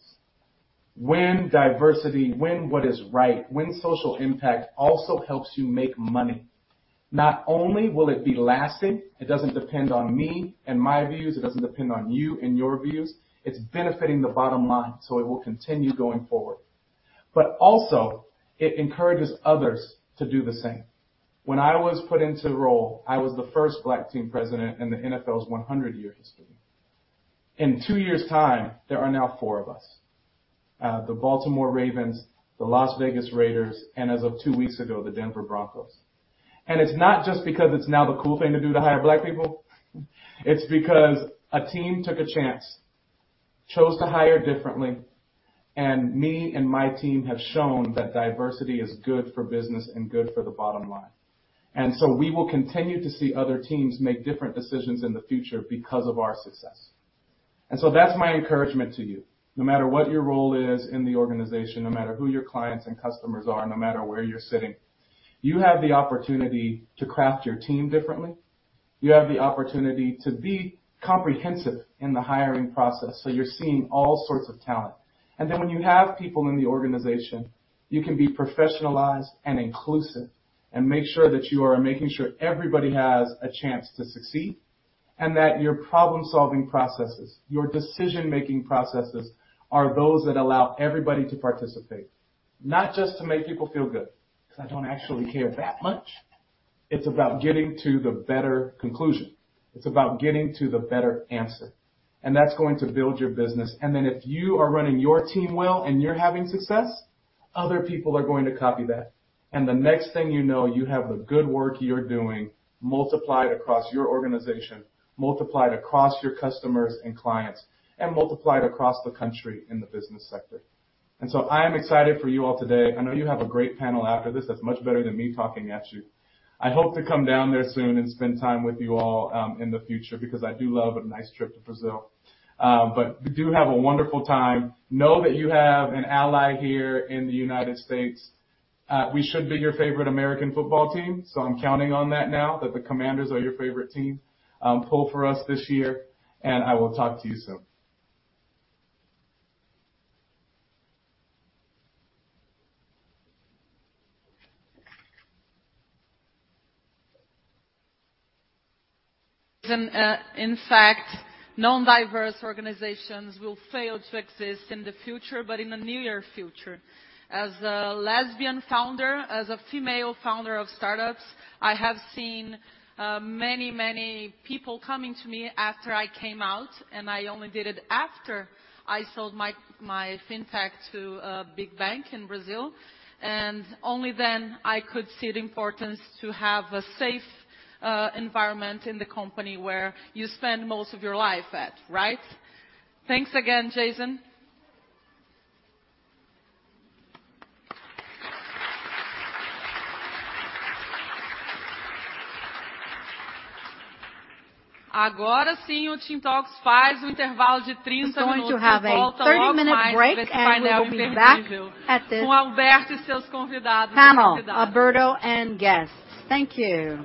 when diversity, when what is right, when social impact also helps you make money, not only will it be lasting, it doesn't depend on me and my views, it doesn't depend on you and your views. It's benefiting the bottom line, so it will continue going forward. But also, it encourages others to do the same. When I was put into the role, I was the first Black team president in the NFL's 100-year history. In two years' time, there are now four of us. The Baltimore Ravens, the Las Vegas Raiders, and as of two weeks ago, the Denver Broncos. It's not just because it's now the cool thing to do to hire Black people. It's because a team took a chance, chose to hire differently, and me and my team have shown that diversity is good for business and good for the bottom line. We will continue to see other teams make different decisions in the future because of our success. That's my encouragement to you. No matter what your role is in the organization, no matter who your clients and customers are, no matter where you're sitting, you have the opportunity to craft your team differently. You have the opportunity to be comprehensive in the hiring process, so you're seeing all sorts of talent. When you have people in the organization. You can be professionalized and inclusive and make sure that you are making sure everybody has a chance to succeed and that your problem-solving processes, your decision-making processes are those that allow everybody to participate. Not just to make people feel good, because I don't actually care that much. It's about getting to the better conclusion. It's about getting to the better answer, and that's going to build your business. If you are running your team well and you're having success, other people are going to copy that. The next thing you know, you have the good work you're doing multiplied across your organization, multiplied across your customers and clients, and multiplied across the country in the business sector. I am excited for you all today. I know you have a great panel after this that's much better than me talking at you. I hope to come down there soon and spend time with you all, in the future because I do love a nice trip to Brazil. Do have a wonderful time. Know that you have an ally here in the United States. We should be your favorite American football team, so I'm counting on that now, that the Commanders are your favorite team. Pull for us this year, and I will talk to you soon. In fact, non-diverse organizations will fail to exist in the future, but in the near future. As a lesbian Founder, as a female Founder of Startups, I have seen many people coming to me after I came out, and I only did it after I sold my FinTech to a big bank in Brazil. Only then I could see the importance to have a safe environment in the company where you spend most of your life at, right? Thanks again, Jason. We should have a 30-minute break, and we will be back at this panel, Alberto and guests. Thank you.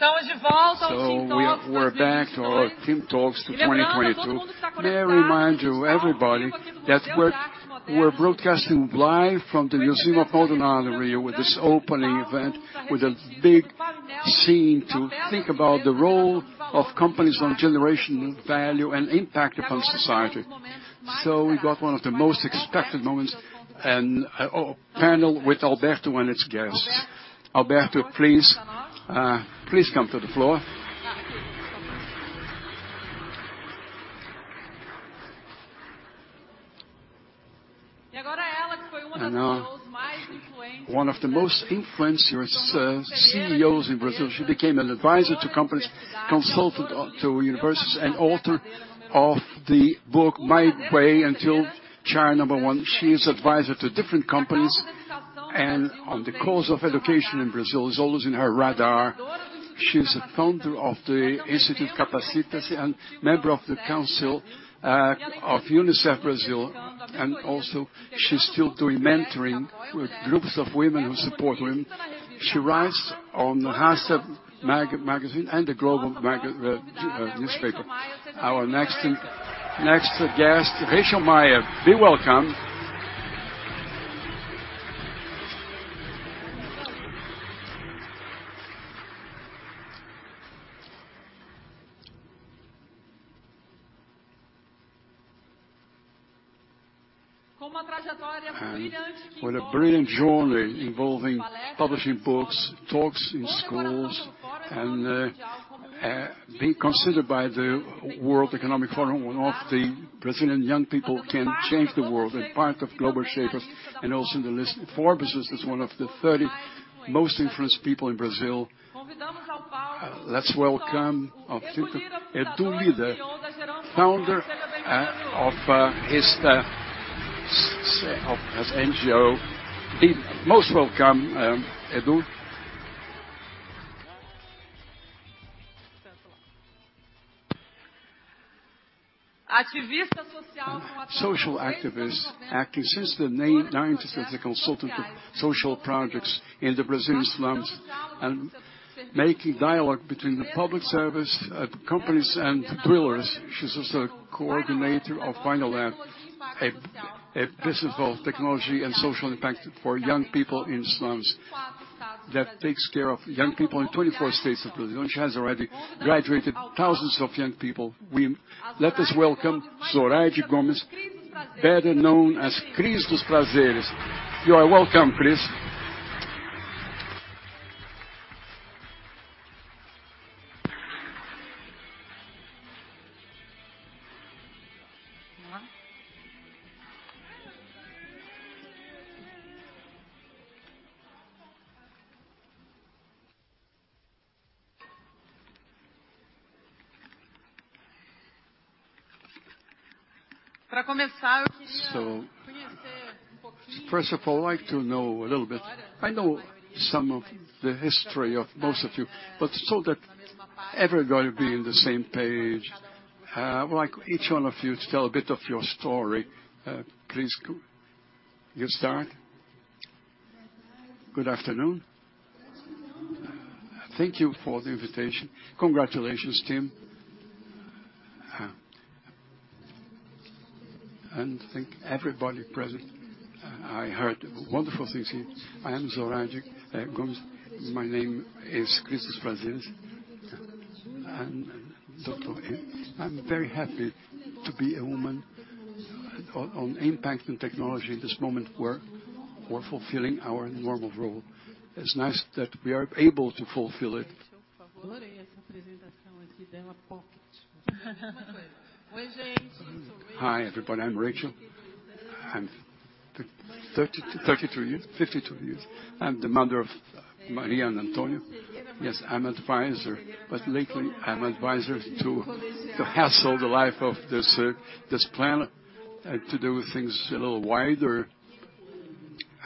We're back to our TIM Talks 2022. May I remind you, everybody, that we're broadcasting live from the Museum of Modern Art in Rio with this opening event, with a big theme to think about the role of companies in generating value and impact upon society. We got one of the most expected moments and panel with Alberto Griselli and his guests. Alberto Griselli, please come to the floor. Now one of the most influential CEOs in Brazil. She became an advisor to companies, consultant to universities, and author of the book My Way Until Chair Number One. She's advisor to different companies, and the course of education in Brazil is always on her radar. She's a founder of the Instituto Capacita-me and member of the council of UNICEF Brasil, and also she's still doing mentoring with groups of women who support women. She writes on the Exame magazine and the O Globo newspaper. Our next guest, Rachel Maia, be welcome. With a brilliant journey involving publishing books, talks in schools, and being considered by the World Economic Forum one of the Brazilian young people who can change the world and part of Global Shapers and also in the list of Forbes' one of the 30 most influential people in Brazil. Let's welcome Edu Lyra, Founder of his NGO. Be most welcome, Edu. Social activist, acting since the 1990s as a consultant of social projects in the Brazilian slums and making dialogue between the public service, companies and civil society. She's also a coordinator of Vai na Web, a business of technology and social impact for young people in slums that takes care of young people in 24 states of Brazil, and she has already graduated thousands of young people. Let us welcome Zoraide Gomes, better known as Cris dos Prazeres. You are welcome, Cris. So first of all, I'd like to know a little bit. I know some of the history of most of you, but so that everybody be on the same page, I would like each one of you to tell a bit of your story. Please go. You start. Good afternoon. Good afternoon. Thank you for the invitation. Congratulations, TIM. Thank everybody present. I heard wonderful things here. I am Zoraide Gomes. My name is Cris dos Prazeres. I'm very happy to be a woman on impact and technology in this moment where we're fulfilling our normal role. It's nice that we are able to fulfill it. Hi, everybody. I'm Rachel. I'm 52 years. I'm the mother of Maria and Antonio. Yes, I'm advisor, but lately I'm advisor to heal the life of this planet to do things a little wider.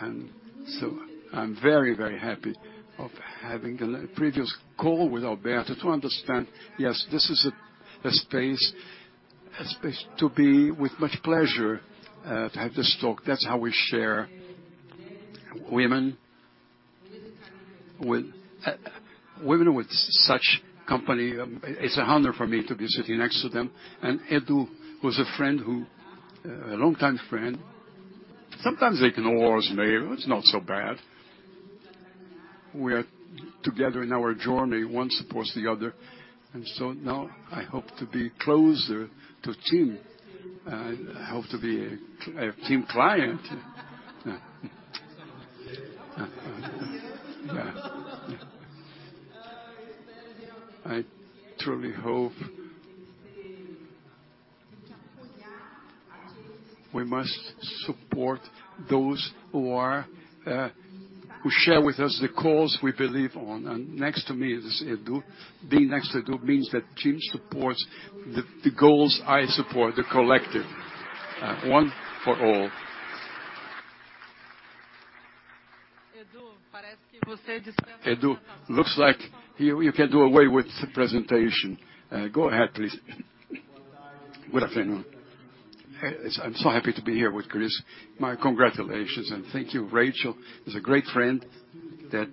I'm very, very happy of having a previous call with Alberto to understand, yes, this is a space to be with much pleasure to have this talk. That's how we share. Women with such company, it's an honor for me to be sitting next to them. Edu was a friend who, a longtime friend, sometimes ignores me, but it's not so bad. We're together in our journey. One supports the other. Now I hope to be closer to TIM. I hope to be a TIM client. I truly hope we must support those who are, who share with us the cause we believe on. Next to me is Edu. Being next to Edu means that TIM supports the goals I support, the collective, one for all. Edu, parece que você. Edu, looks like you can do away with the presentation. Go ahead, please. Good afternoon. I'm so happy to be here with Cris. My congratulations and thank you, Rachel. She's a great friend that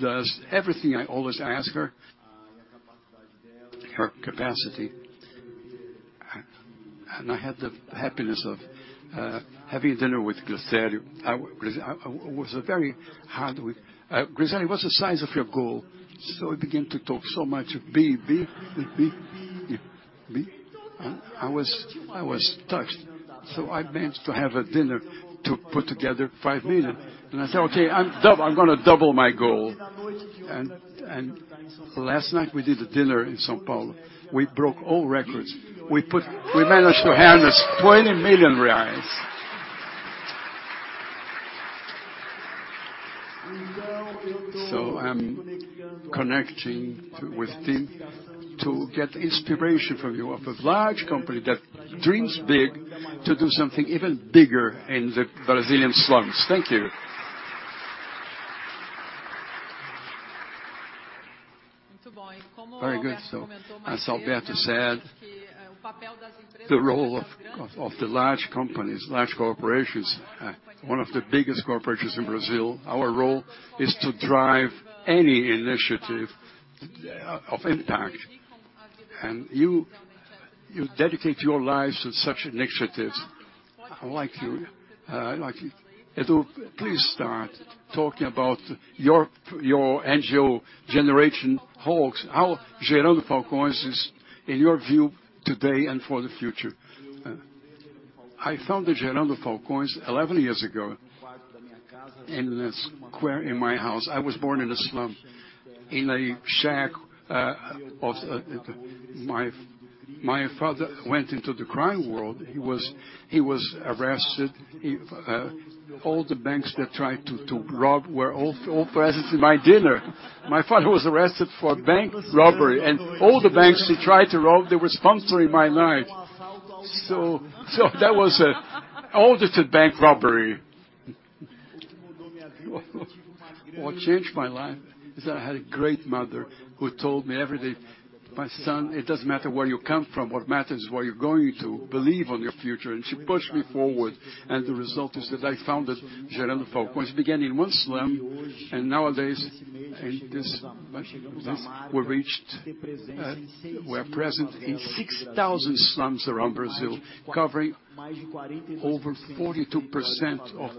does everything I always ask her capacity. I had the happiness of having dinner with Alberto Griselli. Alberto Griselli was very hard with. Alberto Griselli, what's the size of your goal? He began to talk so much, blah, blah. I was touched. I managed to have a dinner to put together 5 million. I said, "Okay, I'll double. I'm gonna double my goal." Last night we did a dinner in São Paulo. We broke all records. We managed to harness BRL 20 million. I'm connecting with TIM to get inspiration from you of a large company that dreams big to do something even bigger in the Brazilian slums. Thank you. Very good. As Alberto said, the role of the large companies, large corporations, one of the biggest corporations in Brazil, our role is to drive any initiative of impact. You dedicate your lives to such initiatives. I like you. I like you. Edu, please start talking about your NGO Gerando Falcões, how Gerando Falcões is in your view today and for the future. I founded Gerando Falcões 11 years ago. In a square in my house. I was born in a slum, in a shack. My father went into the crime world. He was arrested. All the banks that he tried to rob were all present at my dinner. My father was arrested for bank robbery, and all the banks he tried to rob, they were sponsoring my life. That was an audited bank robbery. What changed my life is that I had a great mother who told me every day, "My son, it doesn't matter where you come from, what matters is where you're going to. Believe in your future." She pushed me forward, and the result is that I founded Gerando Falcões. It began in one slum, and nowadays, we're present in 6,000 slums around Brazil, covering over 42% of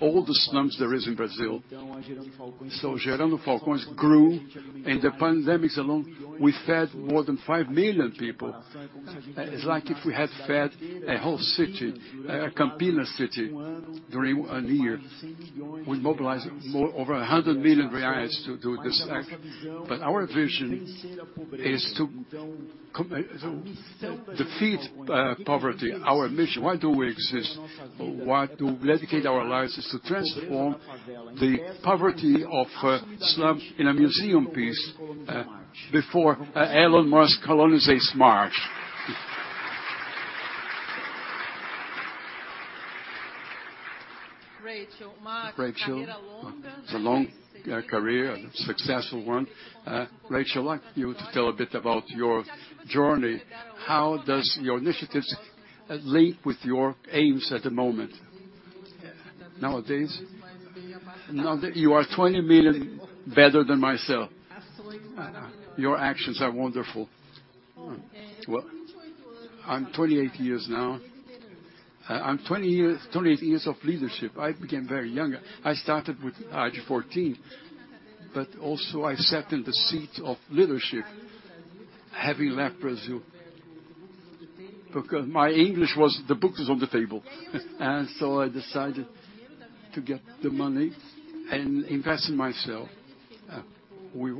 all the slums there is in Brazil. Gerando Falcões grew. In the pandemic alone, we fed more than 5 million people. It's like if we had fed a whole city, Campinas during a year. We mobilized over 100 million reais to do this act. Our vision is to defeat poverty. Our mission, why do we exist? To dedicate our lives is to transform the poverty of a slum in a museum piece before Elon Musk colonizes Mars. Rachel Maia. It's a long career, and a successful one. Rachel Maia, I'd like you to tell a bit about your journey. How does your initiatives link with your aims at the moment? Nowadays? Now that you are 20 million better than myself. Your actions are wonderful. Well, I'm 28 years now. I'm 28 years of leadership. I became very young. I started at age 14. I sat in the seat of leadership, having left Brazil. Because my English was the book is on the table. I decided to get the money and invest in myself. We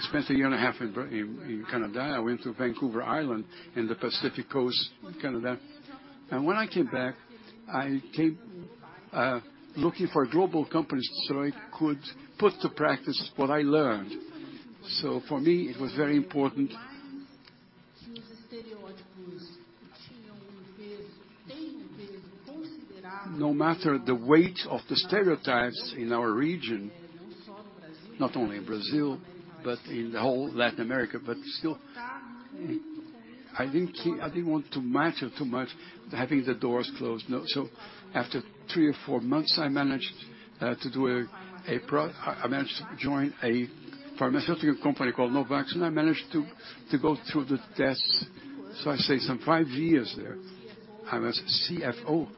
spent a year and a half in Canada. I went to Vancouver Island in the Pacific Coast, Canada. When I came back, I came looking for global companies, so I could put into practice what I learned. For me, it was very important. No matter the weight of the stereotypes in our region, not only in Brazil, but in the whole Latin America, but still, I didn't want to matter too much having the doors closed. No. After three or four months, I managed to join a pharmaceutical company called Novartis. I managed to go through the tests. I stayed some five years there. I was CFO,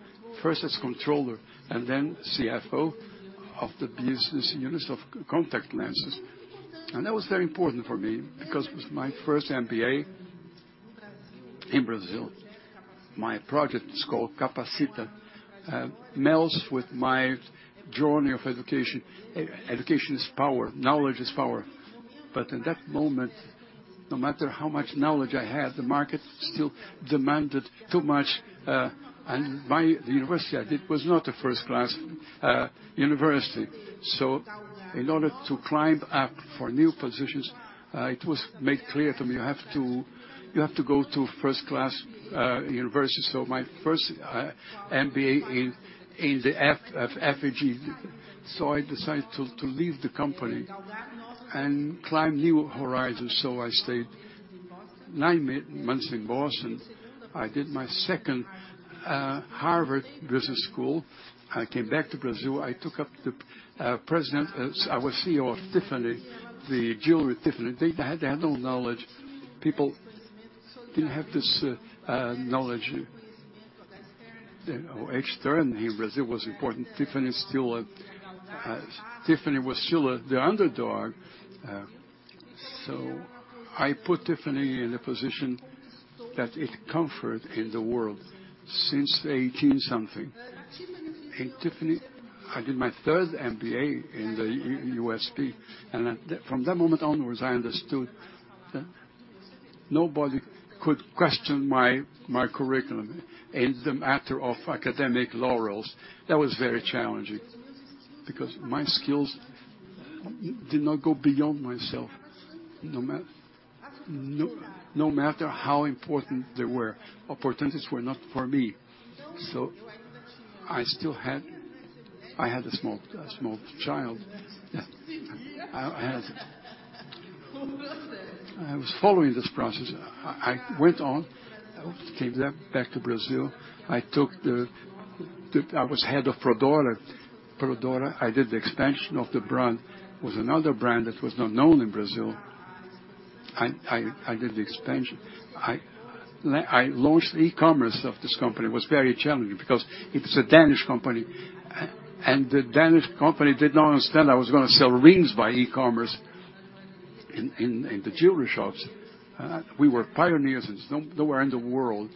first as controller, and then CFO of the business units of contact lenses. That was very important for me because it was my first MBA in Brazil. My project is called Capacita melds with my journey of education. Education is power. Knowledge is power. In that moment, no matter how much knowledge I had, the market still demanded too much, and my university I did was not a first-class university. In order to climb up for new positions, it was made clear to me, "You have to go to first-class university." My first MBA in the FGV. I decided to leave the company and climb new horizons. I stayed nine months in Boston. I did my second Harvard Business School. I came back to Brazil. I took up the position as the CEO of Tiffany & Co., the jewelry Tiffany & Co. They had no knowledge. People didn't have this knowledge. You know, H.Stern in Brazil was important. Tiffany & Co. was still the underdog. I put Tiffany in a position that it comfort in the world since 18-something. In Tiffany, I did my third MBA in the USP, and from that moment onwards, I understood that nobody could question my curriculum in the matter of academic laurels. That was very challenging because my skills did not go beyond myself. No matter how important they were, opportunities were not for me. I still had a small child. I had. I was following this process. I went on. I came back to Brazil. I took the. I was head of Pandora. Pandora, I did the expansion of the brand. It was another brand that was not known in Brazil. I did the expansion. I launched the e-commerce of this company. It was very challenging because it was a Danish company, and the Danish company did not understand I was gonna sell rings by e-commerce in the jewelry shops. We were pioneers since nowhere in the world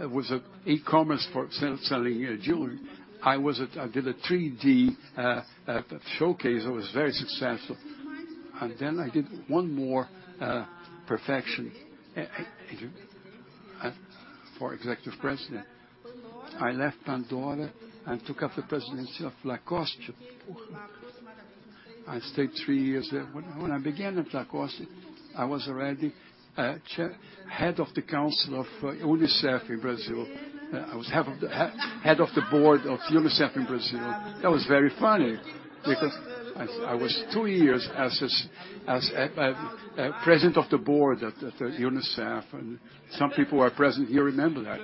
was e-commerce for selling jewelry. I did a 3D showcase that was very successful. I did one more perfection for Executive President. I left Pandora and took up the presidency of Lacoste I stayed three years there. When I began at Lacoste, I was already head of the council of UNICEF in Brazil. I was head of the board of UNICEF in Brazil. That was very funny because I was two years as a president of the board at UNICEF, and some people who are present here remember that.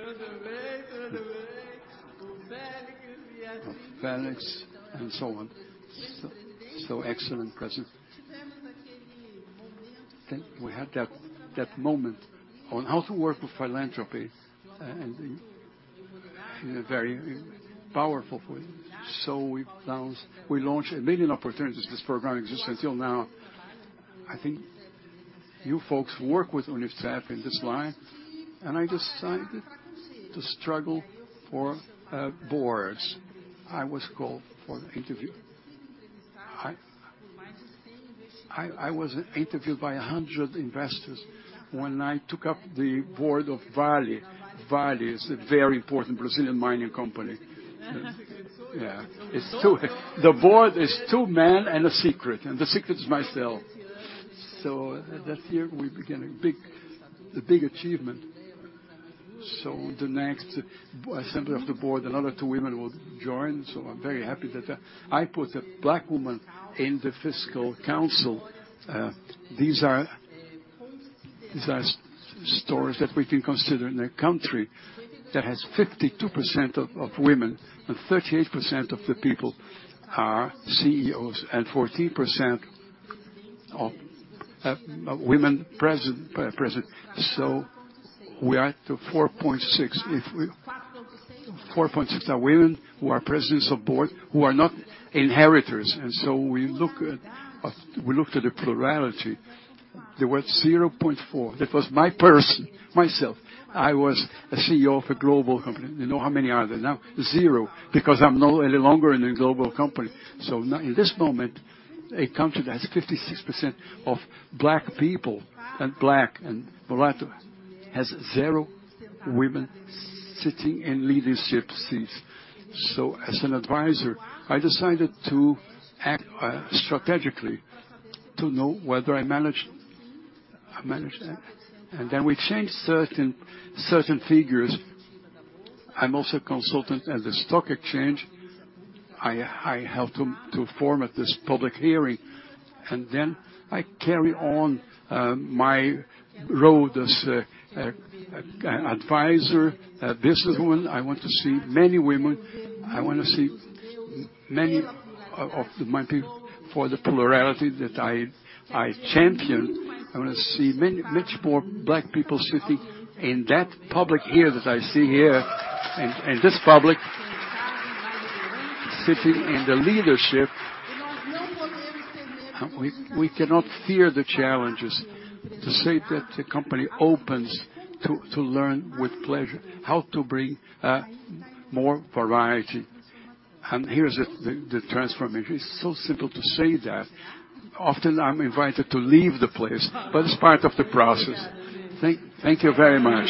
Felix and so on. Excellent president. We had that moment on how to work with philanthropy and in a very powerful way. We launched 1 million opportunities. This program exists until now. I think you folks work with UNICEF in this line. I decided to struggle for boards. I was called for an interview. I was interviewed by 100 investors when I took up the board of Vale. Vale is a very important Brazilian mining company. The board is two men and a secret, and the secret is myself. That year we began a big achievement. The next assembly of the board, another two women will join. I'm very happy that I put a Black woman in the fiscal council. These are stories that we can consider in a country that has 52% of women and 38% of the people are CEOs and 14% of women president. We are at the 4.6. If we-4.6% are women who are presidents of board, who are not inheritors. We look to the plurality. There were 0.4%. That was my person, myself. I was a CEO of a global company. You know, how many are there now? Zero, because I'm no longer in a global company. Now in this moment, a country that has 56% of Black people and Black and Mulatto has zero women sitting in leadership seats. As an advisor, I decided to act strategically to know whether I managed. I managed. We changed certain figures. I'm also a consultant at the stock exchange. I helped them to form at this public hearing. I carry on my role as an advisor, a businesswoman. I want to see many women. I wanna see many of my people for the plurality that I champion. I wanna see much more Black people sitting in that public here that I see here in this public, sitting in the leadership. We cannot fear the challenges. To say that the company opens to learn with pleasure how to bring more variety. Here's the transformation. It's so simple to say that. Often I'm invited to leave the place, but it's part of the process. Thank you very much.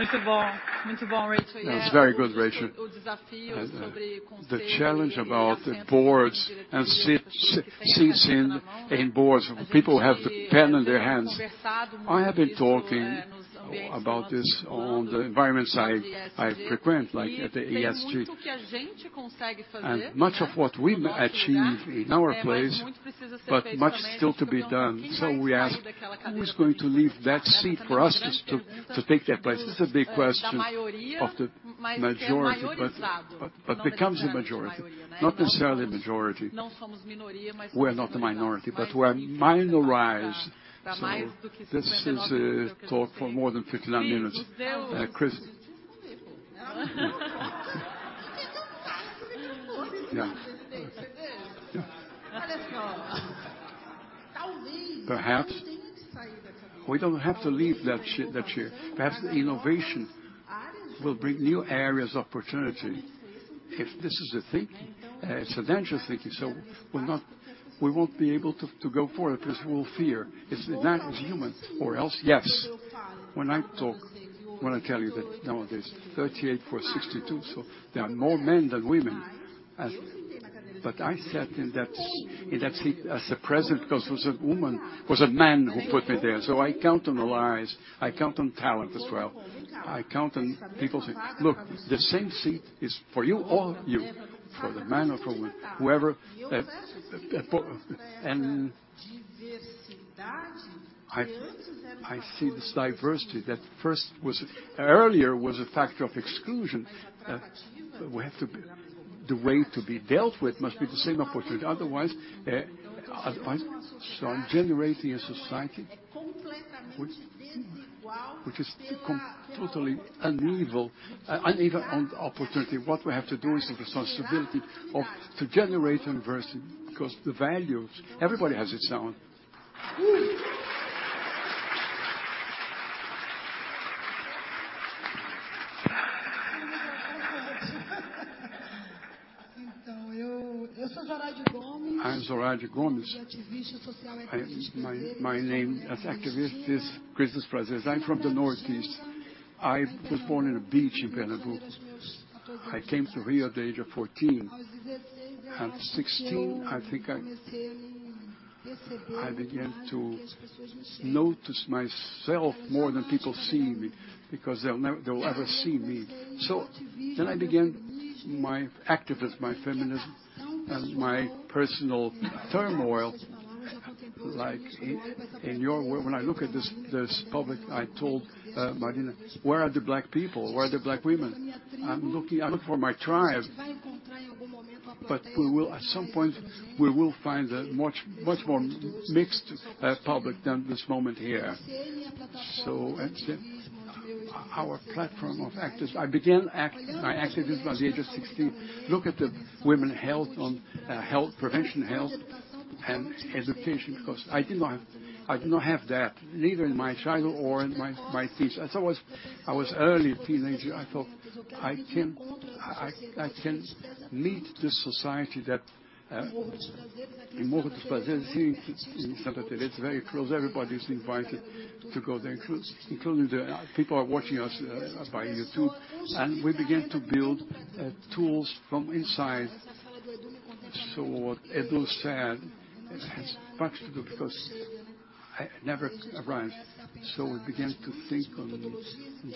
Muito bom. Muito bom, Rachel. Yeah. That was very good, Rachel. O desafio sobre conselhos e assentos em conselhos de administração que sempre tem um homem na mão, né? The challenge about boards and seats in boards. People have the pen in their hands. A gente tem conversado muito isso, nos ambientes onde andamos, dentro do ESG. I have been talking about this on the environment side I frequent, like at the ESG. Tem muito que a gente consegue fazer, né, no nosso lugar, mas muito precisa ser feito também. Fica um pouquinho mais difícil sair daquela cadeira que você está. Much of what we achieve in our place, but much still to be done. We ask, who is going to leave that seat for us to take that place? This is a big question of the majority, but Da maioria, mas que é minorizado. Não necessariamente maioria, né? Becomes the majority. Not necessarily majority. Não somos minoria, mas somos minorizados pra mais do que 59% que eu tenho aqui. We're not a minority, but we're minorized. This is a talk for more than 15 minutes. Deus nos deu um dedo, né? Não corta. Quem não tá, como é que eu vou, presidente, entende? Olha só. Perhaps-Talvez tenha saída da cadeira. Talvez tenha como dar voz pra outras áreas também. We don't have to leave that chair. Perhaps innovation will bring new areas of opportunity. If this is a thinking, it's a dangerous thinking. We won't be able to go forward if there's no fear. It is human. Or else, yes. When I tell you that nowadays 38 for 62, so there are more men than women. I sat in that seat as a president because it was a man who put me there. I count on allies. I count on talent as well. I count on people say, "Look, the same seat is for you, all you, for the man or for whoever. Eu quero explicar pra essa diversidade que antes era um fator de exclusão, mas atrativa para melhor performance. I see this diversity that first earlier was a factor of exclusion. The way to be dealt with must be the same opportunity. Otherwise, I'm generating a society which is totally uneven on the opportunity. What we have to do is the responsibility to generate investment, because the values, everybody has its own. I'm Zoraide Gomes. My name as activist is Cris dos Prazeres. I'm from the northeast. I was born in a beach in Pernambuco. I came to Rio at the age of 14. At 16, I think I began to notice myself more than people seeing me, because they'll ever see me. I began my activist, my feminism, and my personal turmoil, like in your world. When I look at this public, I told Maria, "Where are the Black people?" I'm looking for my tribe. At some point, we will find a much more mixed public than this moment here. That's it. Our platform of actors. I began my activism at the age of 16. Look at the women's health on prevention health and education, because I did not have that, neither in my childhood or in my teens. As I was early teenager, I thought, "I can meet this society that," in Morro dos Prazeres in Santa Teresa. It's very close. Everybody's invited to go there, including the people are watching us via YouTube. We began to build tools from inside. What Edu said has much to do, because I never arrived. We began to think on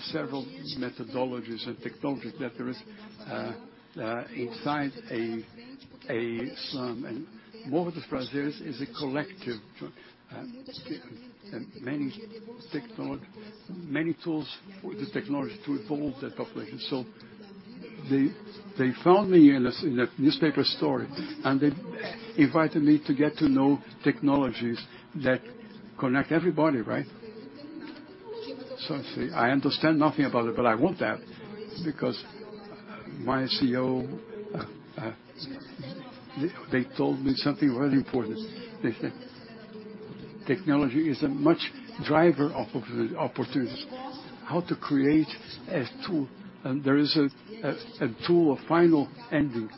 several methodologies and technologies that there is inside a slum. Morro dos Prazeres is a collective, many tools for the technology to evolve that population. They found me in a newspaper story, and they invited me to get to know technologies that connect everybody, right? I say, "I understand nothing about it, but I want that." Because my CEO, they told me something really important. They said technology is a much driver of opportunities. How to create a tool, and there is a tool of final ending,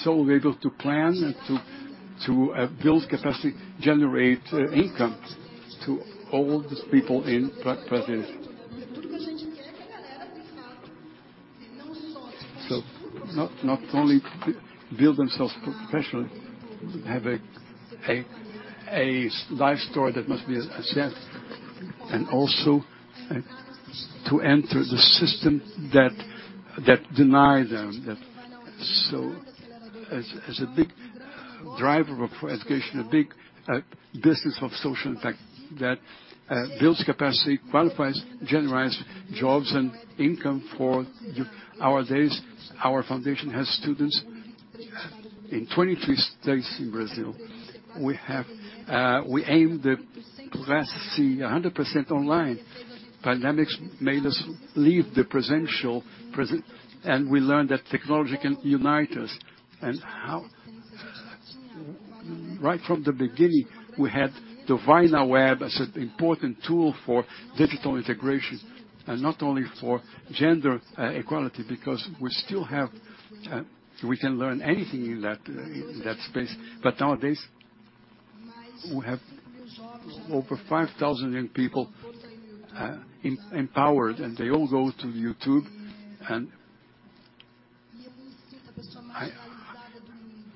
so we're able to plan and to build capacity, generate income to all these people in Prazeres. Not only build themselves professionally, have a life story that must be asset, and also to enter the system that deny them. As a big driver for education, a big business of social impact that builds capacity, qualifies, generates jobs and income for the nowadays. Our foundation has students in 23 states in Brazil. We have the capacity 100% online. Pandemics made us leave the presential. We learned that technology can unite us. Right from the beginning, we had the Vai na Web as an important tool for digital integration, and not only for gender equality, because we can learn anything in that space. Nowadays, we have over 5,000 young people empowered, and they all go to YouTube.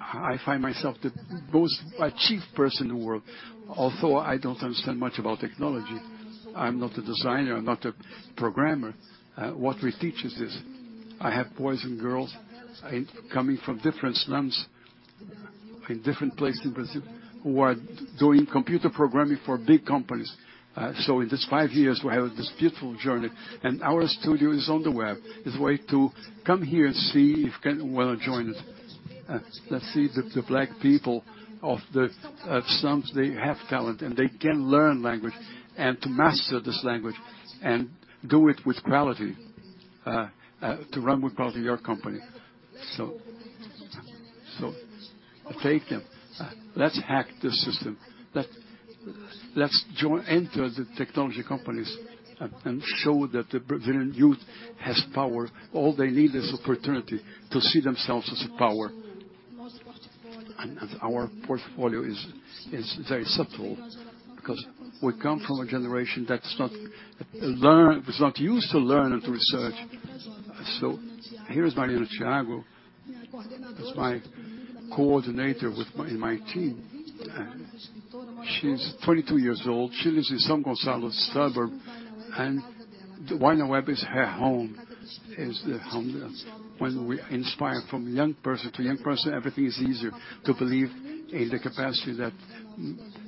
I find myself the most achieved person in the world, although I don't understand much about technology. I'm not a designer. I'm not a programmer. What we teach is this. I have boys and girls coming from different slums in different places in Brazil who are doing computer programming for big companies. In this five years, we're having this beautiful journey, and our studio is on the web. It's a way to come here and see if wanna join us. Let's see that the Black people of the slums, they have talent, and they can learn language and to master this language and do it with quality to run with quality your company. Take them. Let's hack the system. Let's enter the technology companies and show that the Brazilian youth has power. All they need is opportunity to see themselves as a power. Our portfolio is very subtle because we come from a generation that was not used to learn and to research. Here is Mariana Thiago. That's my coordinator in my team. She's 22 years old. She lives in São Gonçalo suburb, and the Vai na Web is her home. When we inspire from young person to young person, everything is easier to believe in the capacity that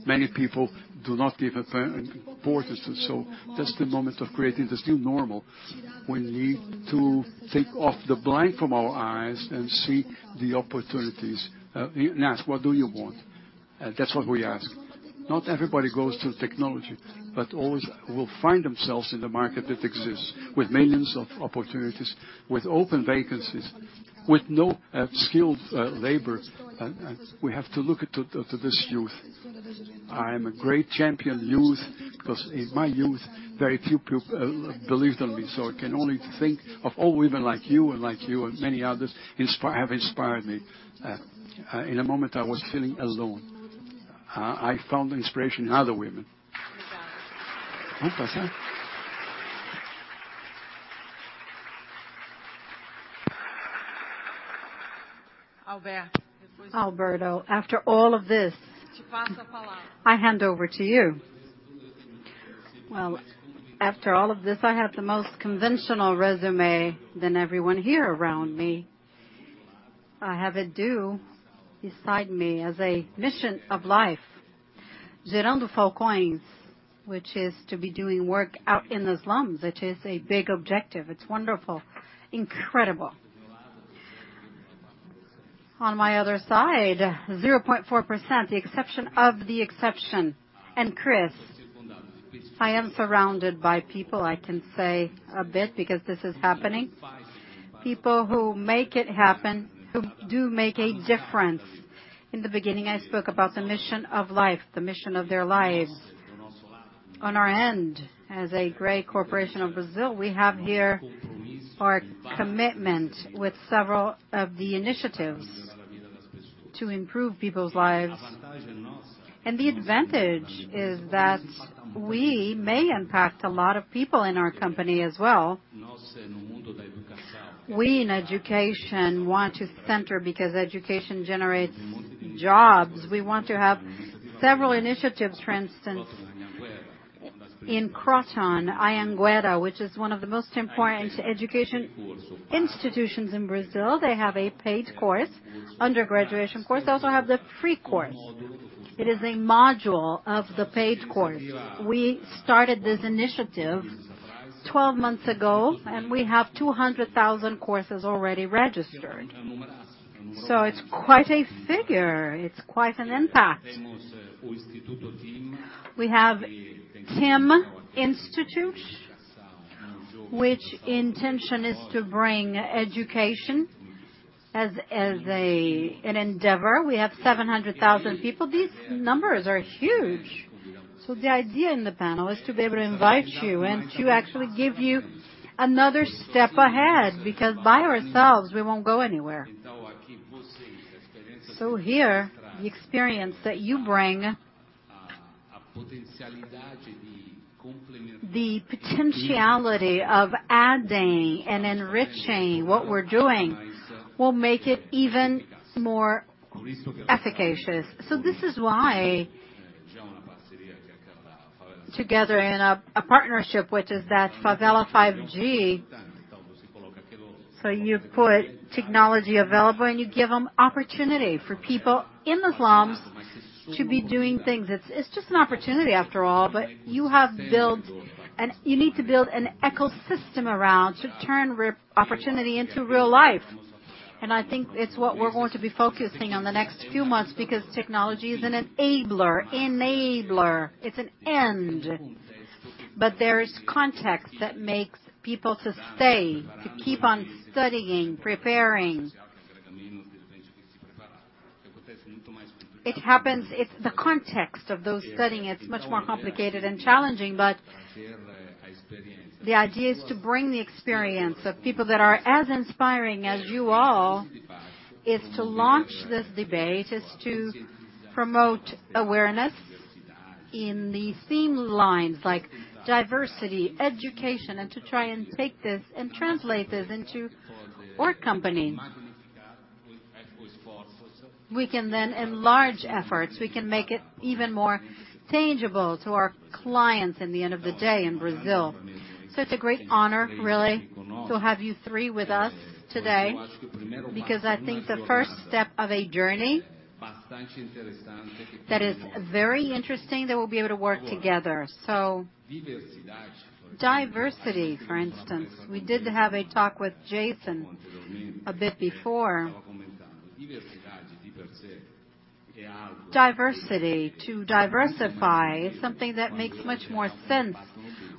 many people do not give importance to. That's the moment of creating this new normal. We need to take off the blinders from our eyes and see the opportunities. Ask, what do you want? That's what we ask. Not everybody goes to technology, but always will find themselves in the market that exists with millions of opportunities, with open vacancies, with no skilled labor. We have to look to this youth. I am a great champion youth because in my youth, very few people believed in me, so I can only think of all women like you and many others have inspired me. In a moment, I was feeling alone. I found inspiration in other women. What was that? Alberto, after all of this, I hand over to you. Well, after all of this, I have the most conventional resume than everyone here around me. I have Edu beside me as a mission of life. Gerando Falcões, which is to be doing work out in the slums, which is a big objective. It's wonderful. Incredible. On my other side, 0.4%, the exception of the exception. Cris, I am surrounded by people, I can say a bit because this is happening. People who make it happen, who do make a difference. In the beginning, I spoke about the mission of life, the mission of their lives. On our end, as a great corporation of Brazil, we have here our commitment with several of the initiatives to improve people's lives. The advantage is that we may impact a lot of people in our company as well. We in education want to center because education generates jobs. We want to have several initiatives, for instance, in Cogna, Anhanguera, which is one of the most important education institutions in Brazil. They have a paid course, undergraduation course. They also have the free course. It is a module of the paid course. We started this initiative 12 months ago, and we have 200,000 courses already registered. It's quite a figure. It's quite an impact. We have Instituto TIM, which intention is to bring education as an endeavor. We have 700,000 people. These numbers are huge. The idea in the panel is to be able to invite you and to actually give you another step ahead, because by ourselves, we won't go anywhere. Here, the experience that you bring, the potentiality of adding and enriching what we're doing will make it even more efficacious. This is why together in a partnership, which is that Favela 5G. You put technology available, and you give them opportunity for people in the slums to be doing things. It's just an opportunity after all, but you need to build an ecosystem around to turn opportunity into real life. I think it's what we're going to be focusing on the next few months because technology is an enabler. It's an end. There is context that makes people to stay, to keep on studying, preparing. It happens, it's the context of those studying, it's much more complicated and challenging. The idea is to bring the experience of people that are as inspiring as you all, is to launch this debate, is to promote awareness in the same lines like diversity, education, and to try and take this and translate this into our company. We can then enlarge efforts. We can make it even more tangible to our clients at the end of the day in Brazil. It's a great honor, really, to have you three with us today because I think the first step of a journey that is very interesting, that we'll be able to work together. Diversity, for instance, we did have a talk with Jason a bit before. Diversity, to diversify is something that makes much more sense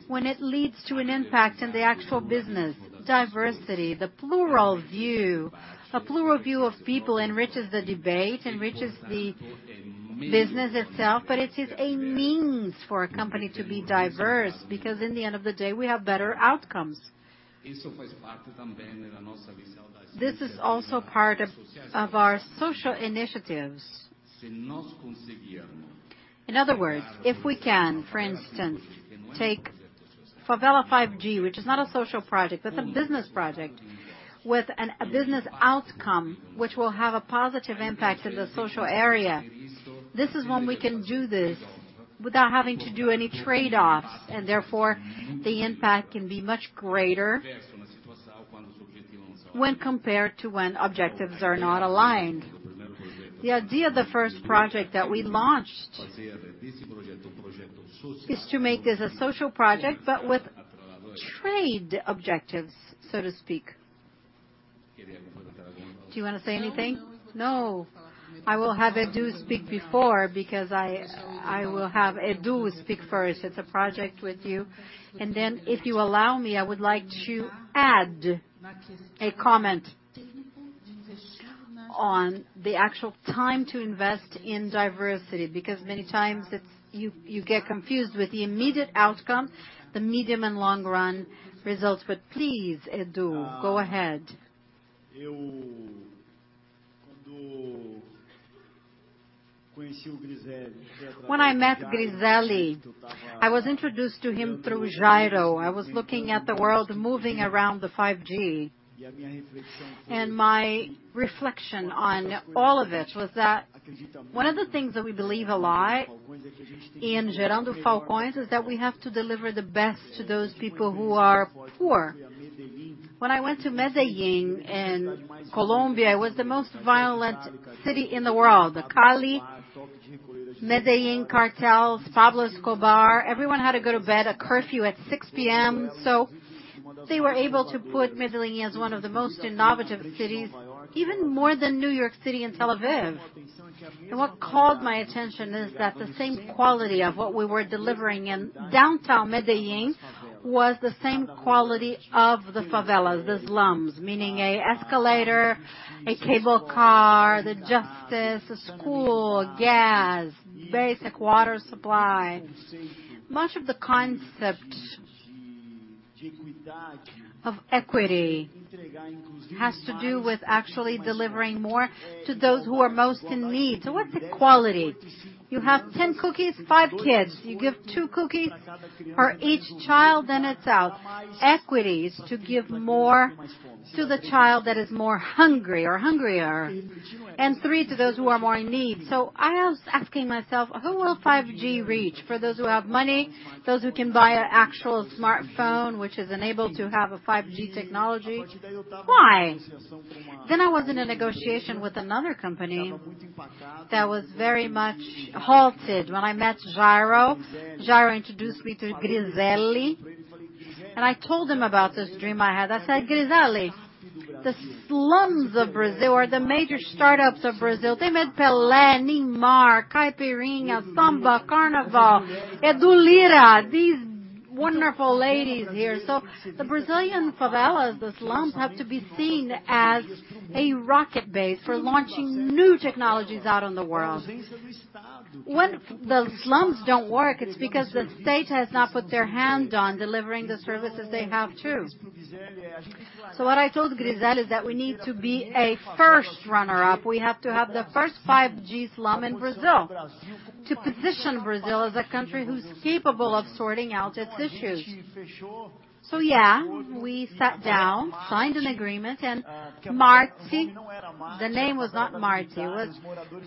when it leads to an impact in the actual business. Diversity, the plural view, a plural view of people enriches the debate, enriches the business itself, but it is a means for a company to be diverse, because in the end of the day, we have better outcomes. This is also part of our social initiatives. In other words, if we can, for instance, take Favela 5G, which is not a social project, that's a business project with a business outcome which will have a positive impact in the social area. This is when we can do this without having to do any trade-offs, and therefore the impact can be much greater when compared to when objectives are not aligned. The idea of the first project that we launched is to make this a social project, but with trade objectives, so to speak. Do you wanna say anything? No. I will have Edu speak before because I will have Edu speak first. It's a project with you. Then if you allow me, I would like to add a comment on the actual time to invest in diversity, because many times it's you get confused with the immediate outcome, the medium and long run results. Please, Edu, go ahead. When I met Alberto Griselli, I was introduced to him through Jairo. I was looking at the world moving around the 5G. My reflection on all of it was that one of the things that we believe a lot in Gerando Falcões is that we have to deliver the best to those people who are poor. When I went to Medellín in Colombia, it was the most violent city in the world. The Cali, Medellín cartels, Pablo Escobar, everyone had to go to bed, a curfew at 6.00 P.M. They were able to put Medellín as one of the most innovative cities, even more than New York City and Tel Aviv. What called my attention is that the same quality of what we were delivering in downtown Medellín was the same quality of the favelas, the slums, meaning a escalator, a cable car, the justice, a school, gas, basic water supply. Much of the concept of equity has to do with actually delivering more to those who are most in need. What's equality? You have 10 cookies, five kids. You give two cookies for each child, then it's out. Equity is to give more to the child that is more hungry or hungrier, and three to those who are more in need. I was asking myself, who will 5G reach? For those who have money, those who can buy an actual smartphone, which is enabled to have a 5G technology. Why? I was in a negotiation with another company that was very much halted when I met Jairo. Jairo introduced me to Alberto Griselli, and I told him about this dream I had. I said, "Alberto Griselli, the slums of Brazil are the major startups of Brazil. They made Pelé, Neymar, Caipirinha, Samba, Carnival, Edu Lyra, these wonderful ladies here. The Brazilian favelas, the slums, have to be seen as a rocket base for launching new technologies out in the world." When the slums don't work, it's because the state has not put their hand on delivering the services they have, too. What I told Alberto Griselli is that we need to be a first runner-up. We have to have the first 5G slum in Brazil to position Brazil as a country who's capable of sorting out its issues. Yeah, we sat down, signed an agreement, the name was not Marte. It was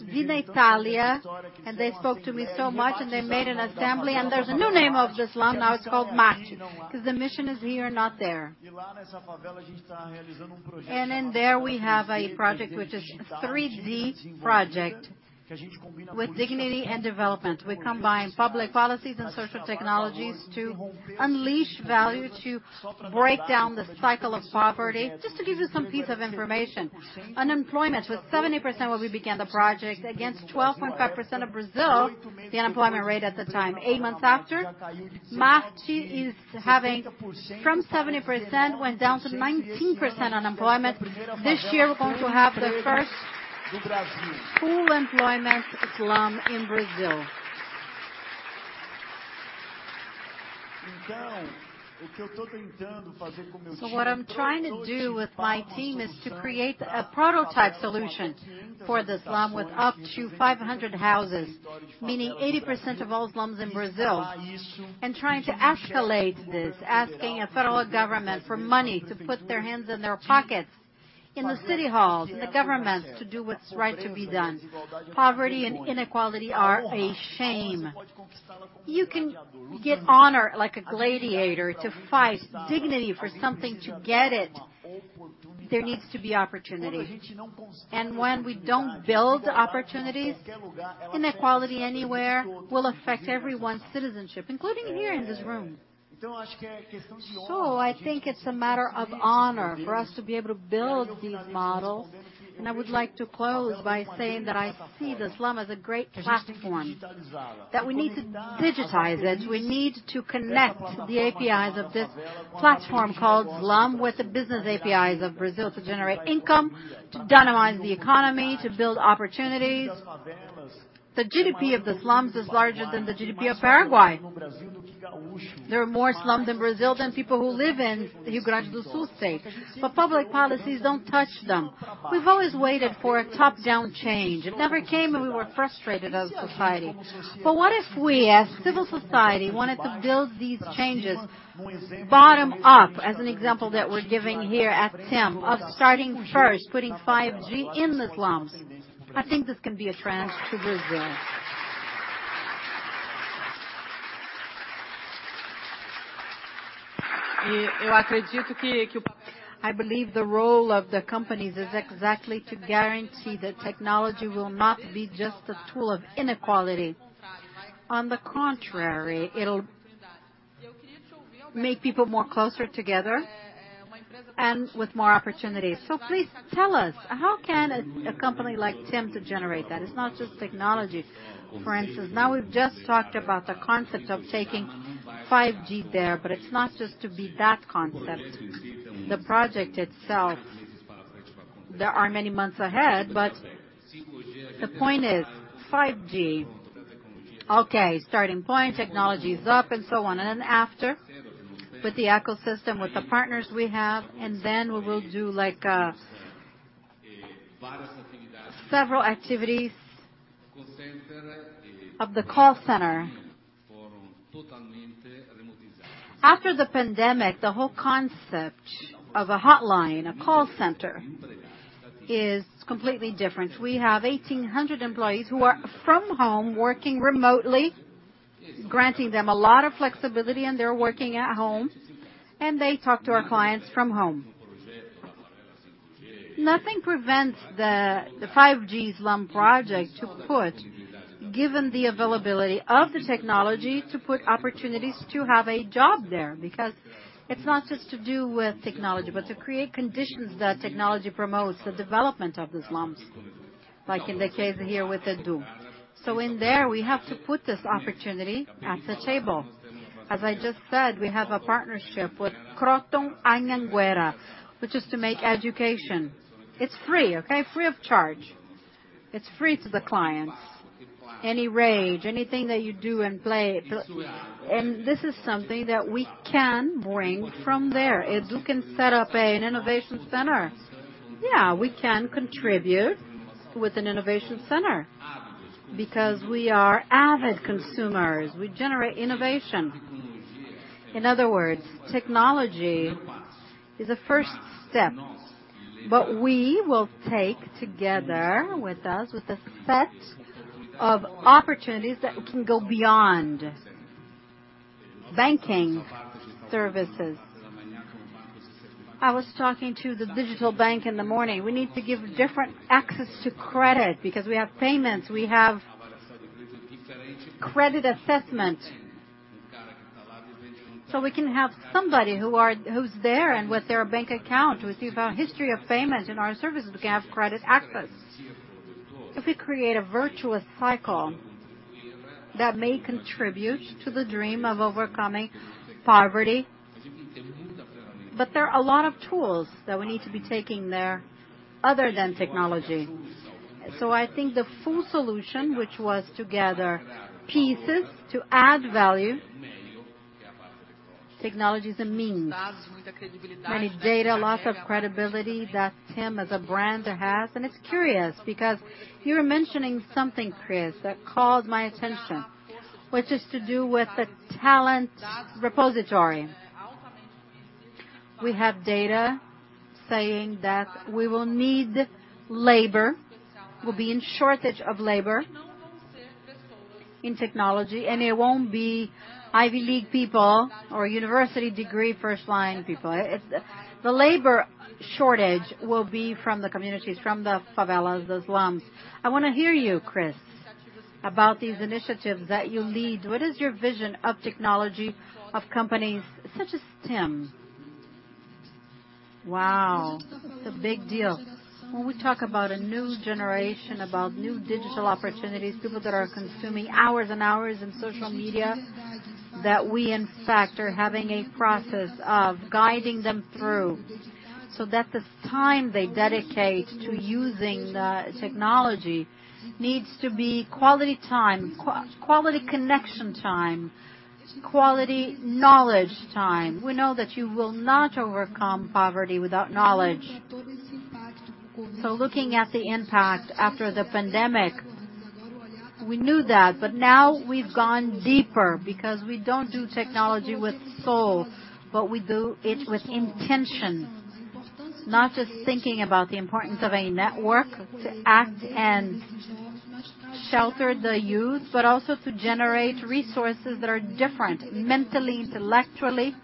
Di Italia, and they spoke to me so much, and they made an assembly, and there's a new name of the slum. Now it's called Marte, 'cause the mission is here, not there. In there we have a project which is 3D project with dignity and development. We combine public policies and social technologies to unleash value, to break down the cycle of poverty. Just to give you some piece of information. Unemployment was 70% when we began the project against 12.5% of Brazil, the unemployment rate at the time. Eight months after, Maré is having from 70% went down to 19% unemployment. This year, we're going to have the first full employment slum in Brazil. What I'm trying to do with my team is to create a prototype solution for the slum with up to 500 houses, meaning 80% of all slums in Brazil, and trying to escalate this, asking a federal government for money to put their hands in their pockets, in the city halls, in the governments to do what's right to be done. Poverty and inequality are a shame. You can get honor like a gladiator to fight dignity for something to get it. There needs to be opportunity. When we don't build opportunities, inequality anywhere will affect everyone's citizenship, including here in this room. I think it's a matter of honor for us to be able to build these models. I would like to close by saying that I see this slum as a great platform, that we need to digitize it. We need to connect the APIs of this platform called slum with the business APIs of Brazil to generate income, to dynamize the economy, to build opportunities. The GDP of the slums is larger than the GDP of Paraguay. There are more slums in Brazil than people who live in Rio Grande do Sul state. Public policies don't touch them. We've always waited for a top-down change. It never came, and we were frustrated as a society. What if we, as civil society, wanted to build these changes bottom up, as an example that we're giving here at TIM of starting first, putting 5G in the slums? I think this can be a trend to Brazil. I believe the role of the companies is exactly to guarantee that technology will not be just a tool of inequality. On the contrary, it'll make people more closer together and with more opportunities. Please tell us, how can a company like TIM generate that? It's not just technology. For instance, now we've just talked about the concept of taking 5G there, but it's not just to be that concept. The project itself, there are many months ahead, but the point is 5G. Okay, starting point, technology is up and so on. After, with the ecosystem, with the partners we have, and then we will do like, several activities of the call center. After the pandemic, the whole concept of a hotline, a call center is completely different. We have 1,800 employees who are from home working remotely, granting them a lot of flexibility, and they're working at home, and they talk to our clients from home. Nothing prevents the Favela 5G project, given the availability of the technology, to put opportunities to have a job there. Because it's not just to do with technology, but to create conditions that technology promotes the development of the slums, like in the case here with Edu. In there, we have to put this opportunity at the table. As I just said, we have a partnership with Cogna Anhanguera, which is to make education. It's free, okay? Free of charge. It's free to the clients. Any range, anything that you do and play. This is something that we can bring from there. Edu can set up an innovation center. Yeah, we can contribute with an innovation center because we are avid consumers. We generate innovation. In other words, technology is a first step, but we will take together with us with a set of opportunities that can go beyond banking services. I was talking to the digital bank in the morning. We need to give different access to credit because we have payments, we have credit assessment. We can have somebody who's there and with their bank account, we see our history of payment in our services, we can have credit access. If we create a virtuous cycle that may contribute to the dream of overcoming poverty. There are a lot of tools that we need to be taking there other than technology. I think the full solution, which was to gather pieces to add value, technology is a means. Many data, loss of credibility, that TIM as a brand has. It's curious because you were mentioning something, Cris, that called my attention, which is to do with the talent repository. We have data saying that we will need labor, we'll be in shortage of labor in technology, and it won't be Ivy League people or university degree first line people. It's the labor shortage will be from the communities, from the favelas, the slums. I wanna hear you, Cris, about these initiatives that you lead. What is your vision of technology of companies such as TIM? Wow. It's a big deal. When we talk about a new generation, about new digital opportunities, people that are consuming hours and hours in social media, that we in fact are having a process of guiding them through so that the time they dedicate to using the technology needs to be quality time, quality connection time, quality knowledge time. We know that you will not overcome poverty without knowledge. Looking at the impact after the pandemic, we knew that, but now we've gone deeper because we don't do technology with soul, but we do it with intention. Not just thinking about the importance of a network to act and shelter the youth, but also to generate resources that are different mentally, intellectually,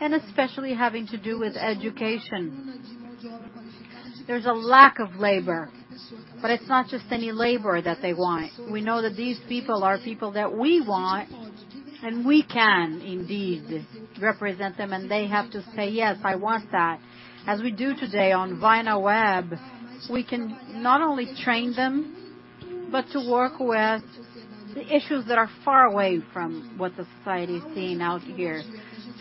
and especially having to do with education. There's a lack of labor, but it's not just any labor that they want. We know that these people are people that we want, and we can indeed represent them, and they have to say, "Yes, I want that." As we do today on Vai na Web, we can not only train them, but to work with the issues that are far away from what the society is seeing out here.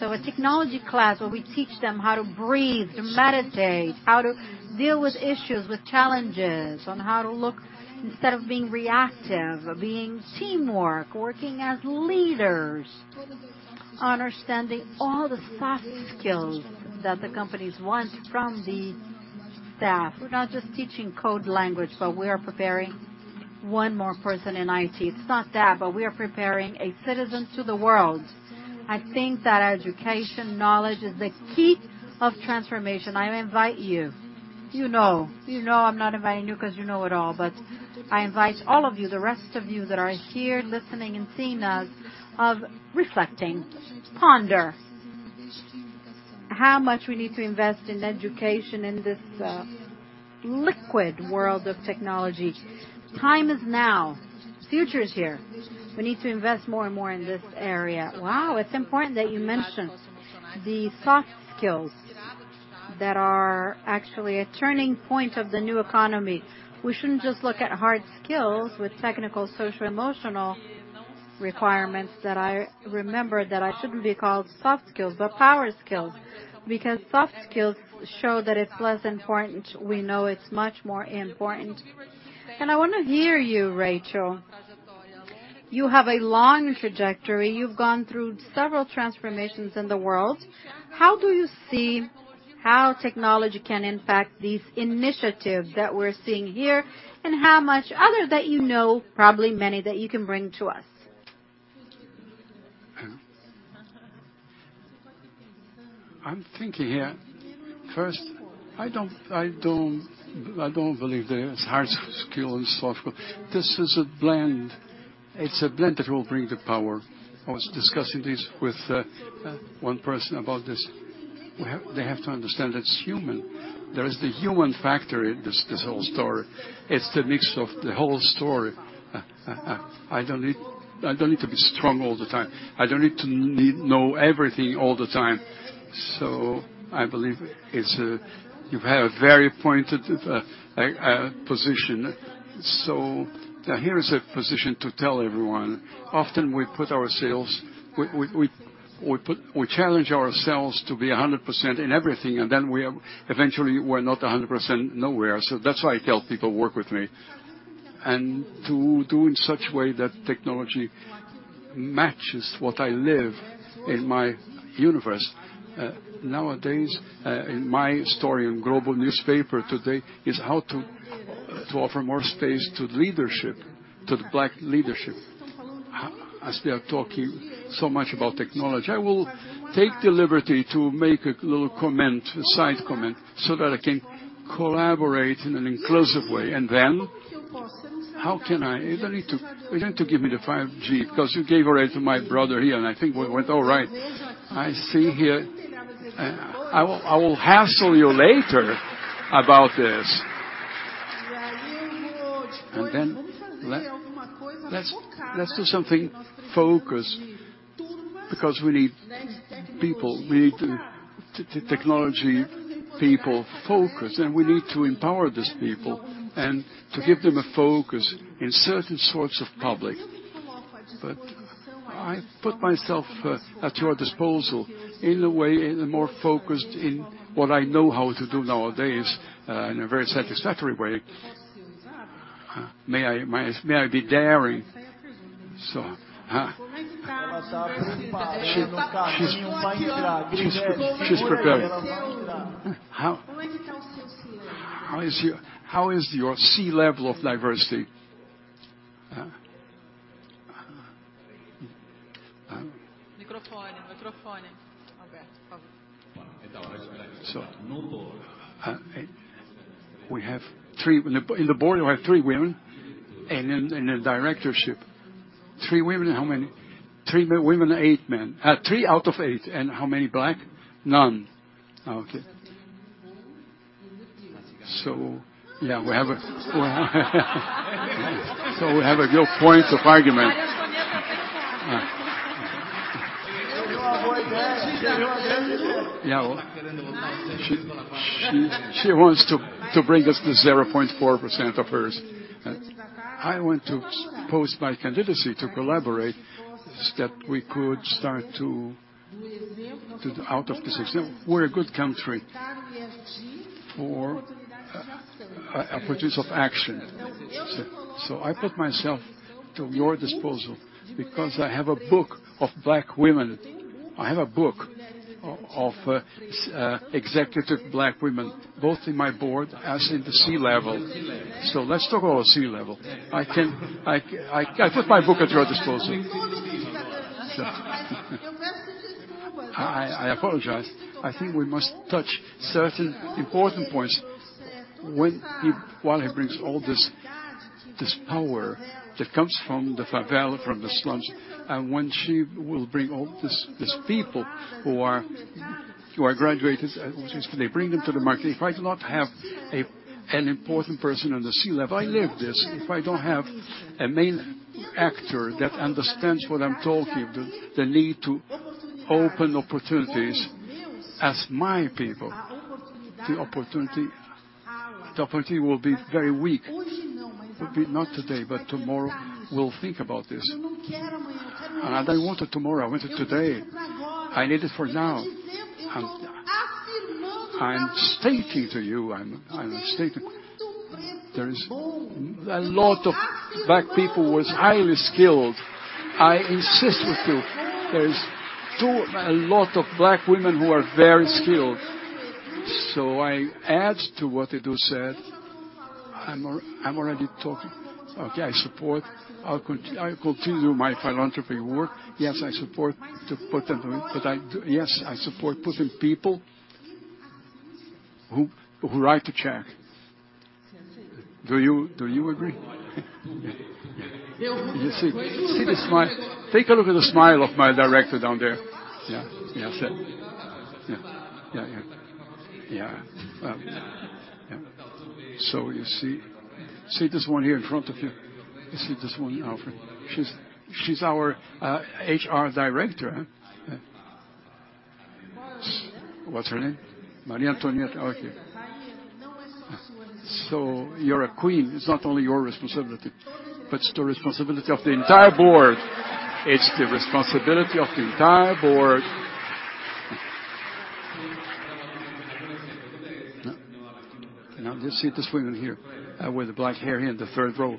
A technology class where we teach them how to breathe, to meditate, how to deal with issues, with challenges on how to look, instead of being reactive, being teamwork, working as leaders, understanding all the soft skills that the companies want from the staff. We're not just teaching code language, but we are preparing one more person in IT. It's not that, but we are preparing a citizen to the world. I think that education knowledge is the key of transformation. I invite you. You know I'm not inviting you 'cause you know it all, but I invite all of you, the rest of you that are here listening and seeing us, reflecting, ponder how much we need to invest in education in this time, liquid world of technology. Time is now. Future is here. We need to invest more and more in this area. Wow, it's important that you mention the soft skills that are actually a turning point of the new economy. We shouldn't just look at hard skills with technical, social, emotional requirements that I remember that I shouldn't be called soft skills, but power skills. Because soft skills show that it's less important. We know it's much more important. I wanna hear you, Rachel. You have a long trajectory. You've gone through several transformations in the world. How do you see how technology can impact these initiatives that we're seeing here? How about other that you know, probably many that you can bring to us? I'm thinking here. First, I don't believe there's hard skill and soft skill. This is a blend. It's a blend that will bring the power. I was discussing this with one person about this. They have to understand it's human. There is the human factor in this whole story. It's the mix of the whole story. I don't need to be strong all the time. I don't need to know everything all the time. So I believe it's a you've had a very pointed position. So here is a position to tell everyone, often we put ourselves we challenge ourselves to be 100% in everything, and then we eventually we're not 100% nowhere. So that's why I tell people work with me. To do in such way that technology matches what I live in my universe. Nowadays, in my story in O Globo newspaper today is how to offer more space to leadership, to the Black leadership. As we are talking so much about technology, I will take the liberty to make a little comment, a side comment, so that I can collaborate in an inclusive way. You don't need to give me the 5G 'cause you gave it already to my brother here, and I think we're all right. I see here. I will hassle you later about this. Let's do something focused, because we need people. We need technology-focused people, and we need to empower these people and to give them a focus in certain sorts of public. I put myself at your disposal in a way, in a more focused in what I know how to do nowadays, in a very satisfactory way. May I be daring? How is your C-level of diversity? We have three women in the board, and in the directorship, three women and eight men. Three out of eight. How many Black? None. Okay. We have a real point of argument. Yeah. She wants to bring us to 0.4% of hers. I want to propose my candidacy to collaborate so that we could start to get out of this. We're a good country for opportunities for action. I put myself at your disposal because I have a book of Black women. I have a book of executive Black women, both in my board, as in the C-level. Let's talk about C-level. I put my book at your disposal. I apologize. I think we must touch certain important points. While he brings all this power that comes from the favela, from the slums, and when she will bring all this, these people who are graduated, since they bring them to the market. If I do not have an important person on the C-level, I live this. If I don't have a main actor that understands what I'm talking, the need to open opportunities as my people, the opportunity will be very weak. Will be not today, but tomorrow, we'll think about this. I don't want it tomorrow, I want it today. I need it for now. I'm stating to you, I'm stating there is a lot of Black people who is highly skilled. I insist with you, there is a lot of Black women who are very skilled. I add to what Edu said. I'm already talking. Okay, I support. I'll continue my philanthropy work. Yes, I support to put them, but Yes, I support putting people who write the check. Do you agree? You see. See the smile. Take a look at the smile of my director down there. Yeah. You see this one here in front of you? You see this one? She's our HR director, yeah. What's her name? Maria Antonietta. Okay. You're a queen. It's not only your responsibility, but it's the responsibility of the entire board. It's the responsibility of the entire board. Now just see this woman here, with the black hair, in the third row.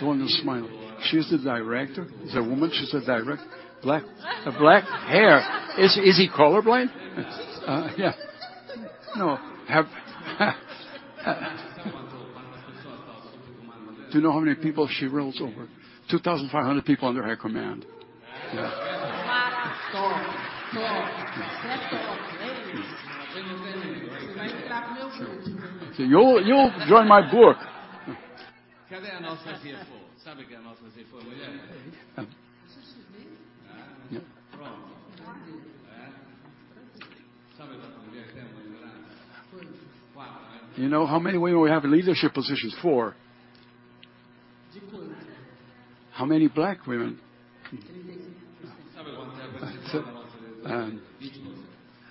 The one who's smiling. She's the director. She's a woman. She's a director. Black hair. Is he color blind? Do you know how many people she rules over? 2,500 people under her command. Yeah. You're in my book. You know how many women we have in leadership positions? Four. How many Black women?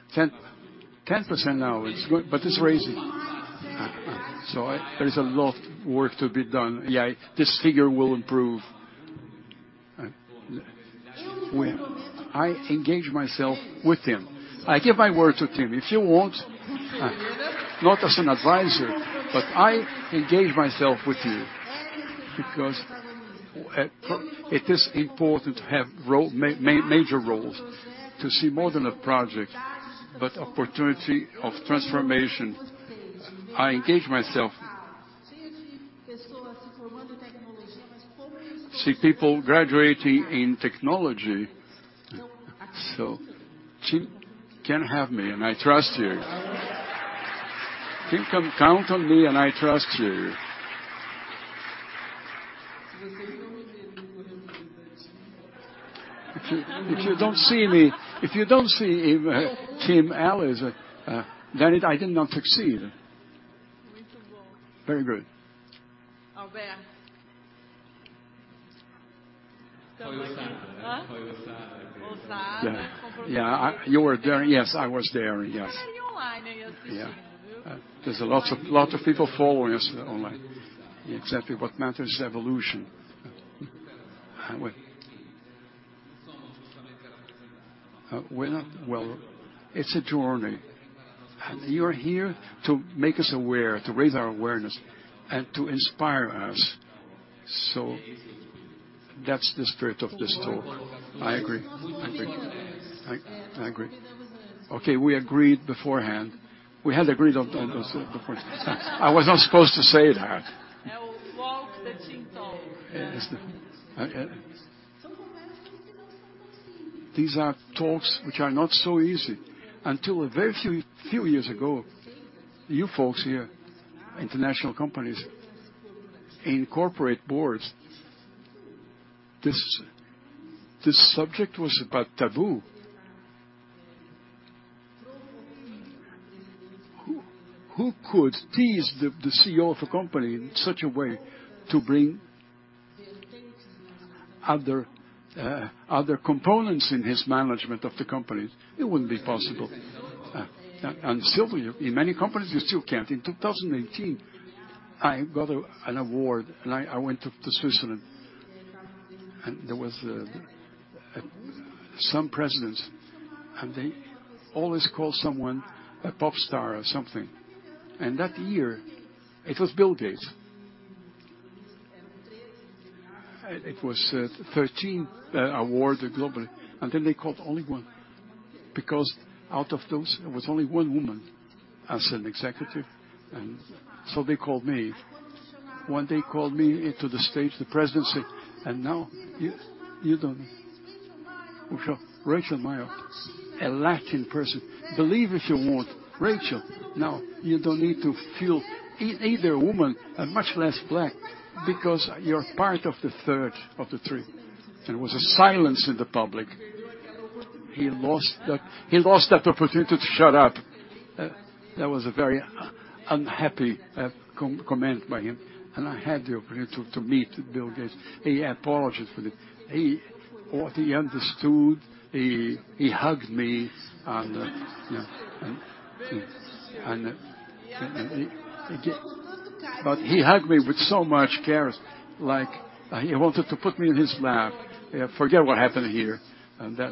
10% now. It's good, but it's rising. There is a lot of work to be done. Yeah, this figure will improve. I engage myself with him. I give my word to TIM, if you want, not as an advisor, but I engage myself with you because it is important to have major roles to see more than a project, but opportunity of transformation. I engage myself. See people graduating in technology, so TIM can have me, and I trust you. TIM, come, count on me, and I trust you. If you don't see me, if you don't see TIM allies, then I did not succeed. Very good. Yeah. Yeah, you were there. Yes, I was there. Yes. Yeah. There's lots of people following us online. Exactly. What matters is evolution. We're not. Well, it's a journey. You're here to make us aware, to raise our awareness and to inspire us. That's the spirit of this talk. I agree. Okay, we agreed beforehand. We had agreed on this beforehand. I was not supposed to say that. These are talks which are not so easy. Until a very few years ago, you folks here, international companies in corporate boards, this subject was about taboo. Who could tease the CEO of a company in such a way to bring other components in his management of the company? It wouldn't be possible. Still in many companies, you still can't. In 2018, I got an award, and I went to Switzerland, and there was some presidents, and they always call someone a pop star or something, and that year it was Bill Gates. It was 13 awards globally. Then they called only one because out of those, there was only one woman as an executive, so they called me. When they called me to the stage, the president said, "Now you don't Rachel Maia, a Latin person, believe if you want. Rachel, now you don't need to feel either woman and much less Black because you're part of the third of the three." There was a silence in the public. He lost that opportunity to shut up. That was a very unhappy comment by him, and I had the opportunity to meet Bill Gates. He apologized for this. What he understood, he hugged me. He hugged me with so much care like he wanted to put me in his lap. Forget what happened here.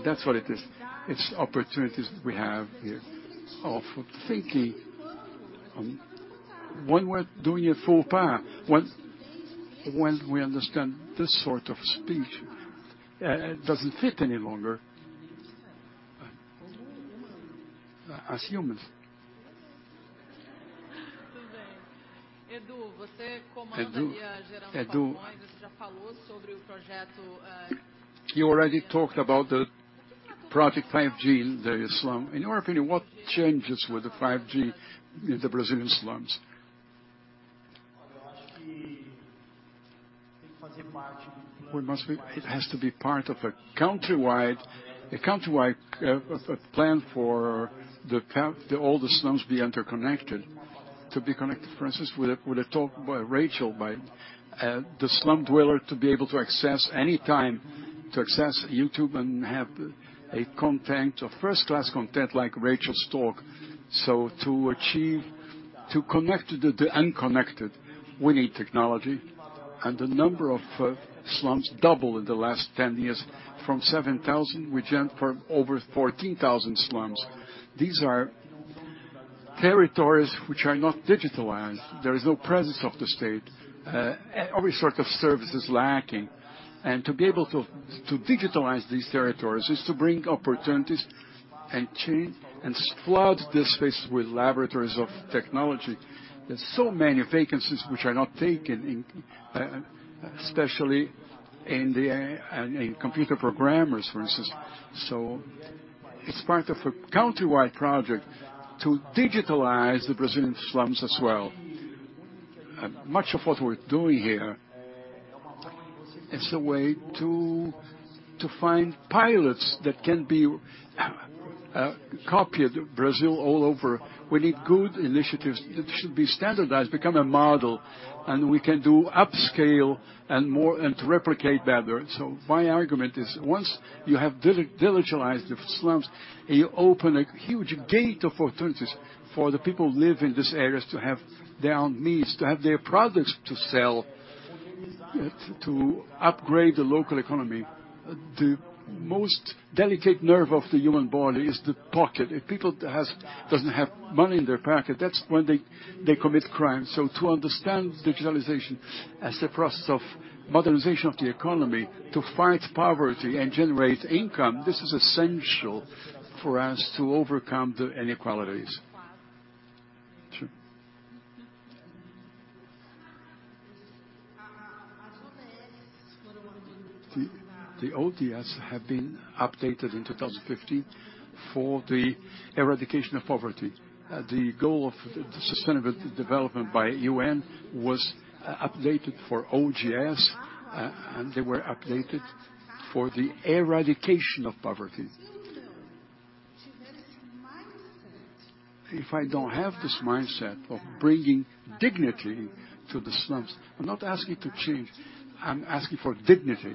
That's what it is. It's opportunities we have here of thinking when we're doing a faux pas, when we understand this sort of speech doesn't fit any longer as humans. Edu Lyra. You already talked about the project 5G in the slum. In your opinion, what changes with the 5G in the Brazilian slums? We must be it has to be part of a countrywide plan for the country the older slums be interconnected. To be connected, for instance, with a talk by Rachel, the slum dweller to be able to access any time, to access YouTube and have first-class content like Rachel's talk. To connect the unconnected, we need technology. The number of slums double in the last 10 years from 7,000. We jumped from over 14,000 slums. These are territories which are not digitalized. There is no presence of the state. Every sort of service is lacking. To digitalize these territories is to bring opportunities and change and flood this space with laboratories of technology. There's so many vacancies which are not taken, especially in computer programmers, for instance. It's part of a countrywide project to digitalize the Brazilian slums as well. Much of what we're doing here is a way to find pilots that can be copied Brazil all over. We need good initiatives that should be standardized, become a model, and we can do upscale and more, and to replicate better. My argument is once you have digitalized the slums, you open a huge gate of opportunities for the people live in these areas to have their own needs, to have their products to sell, to upgrade the local economy. The most delicate nerve of the human body is the pocket. If people doesn't have money in their pocket, that's when they commit crime. To understand digitalization as a process of modernization of the economy, to fight poverty and generate income, this is essential for us to overcome the inequalities. The ODS have been updated in 2015 for the eradication of poverty. The goal of the sustainable development by UN was updated for ODS, and they were updated for the eradication of poverty. If I don't have this mindset of bringing dignity to the slums, I'm not asking to change. I'm asking for dignity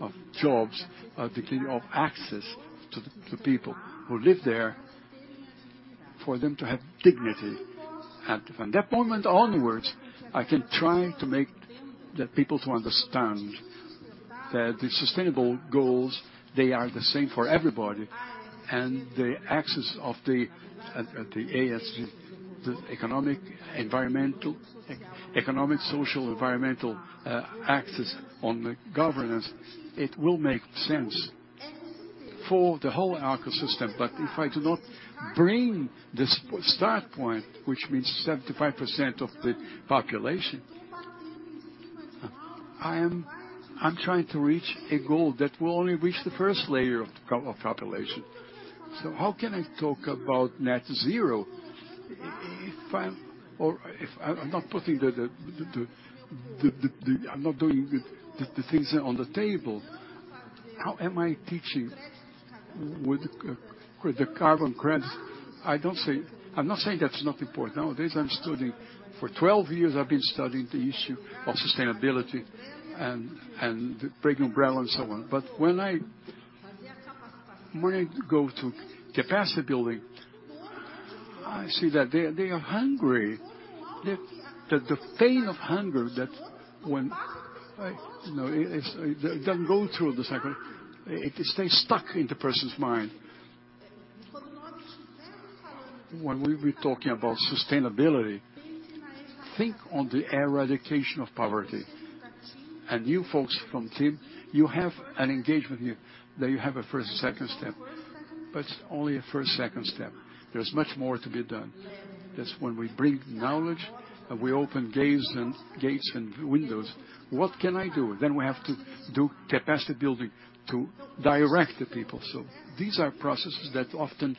of jobs, dignity of access to the people who live there, for them to have dignity. From that moment onwards, I can try to make the people understand that the sustainable goals, they are the same for everybody. The axis of the ESG, the economic, social, environmental axis on the governance, it will make sense for the whole ecosystem. If I do not bring this start point, which means 75% of the population, I'm trying to reach a goal that will only reach the first layer of the population. How can I talk about net zero if I'm or if I'm not putting the things on the table. How am I teaching with the carbon credits? I don't say. I'm not saying that's not important. Nowadays, I'm studying. For 12 years, I've been studying the issue of sustainability and breaking umbrella and so on. When I go to capacity building, I see that they are hungry. The pain of hunger that when it doesn't go through the cycle. It stays stuck in the person's mind. When we're talking about sustainability, think on the eradication of poverty. You folks from TIM, you have an engagement here, that you have a first, second step. It's only a first, second step. There's much more to be done. That's when we bring knowledge, and we open gates and windows. What can I do? We have to do capacity building to direct the people. These are processes that often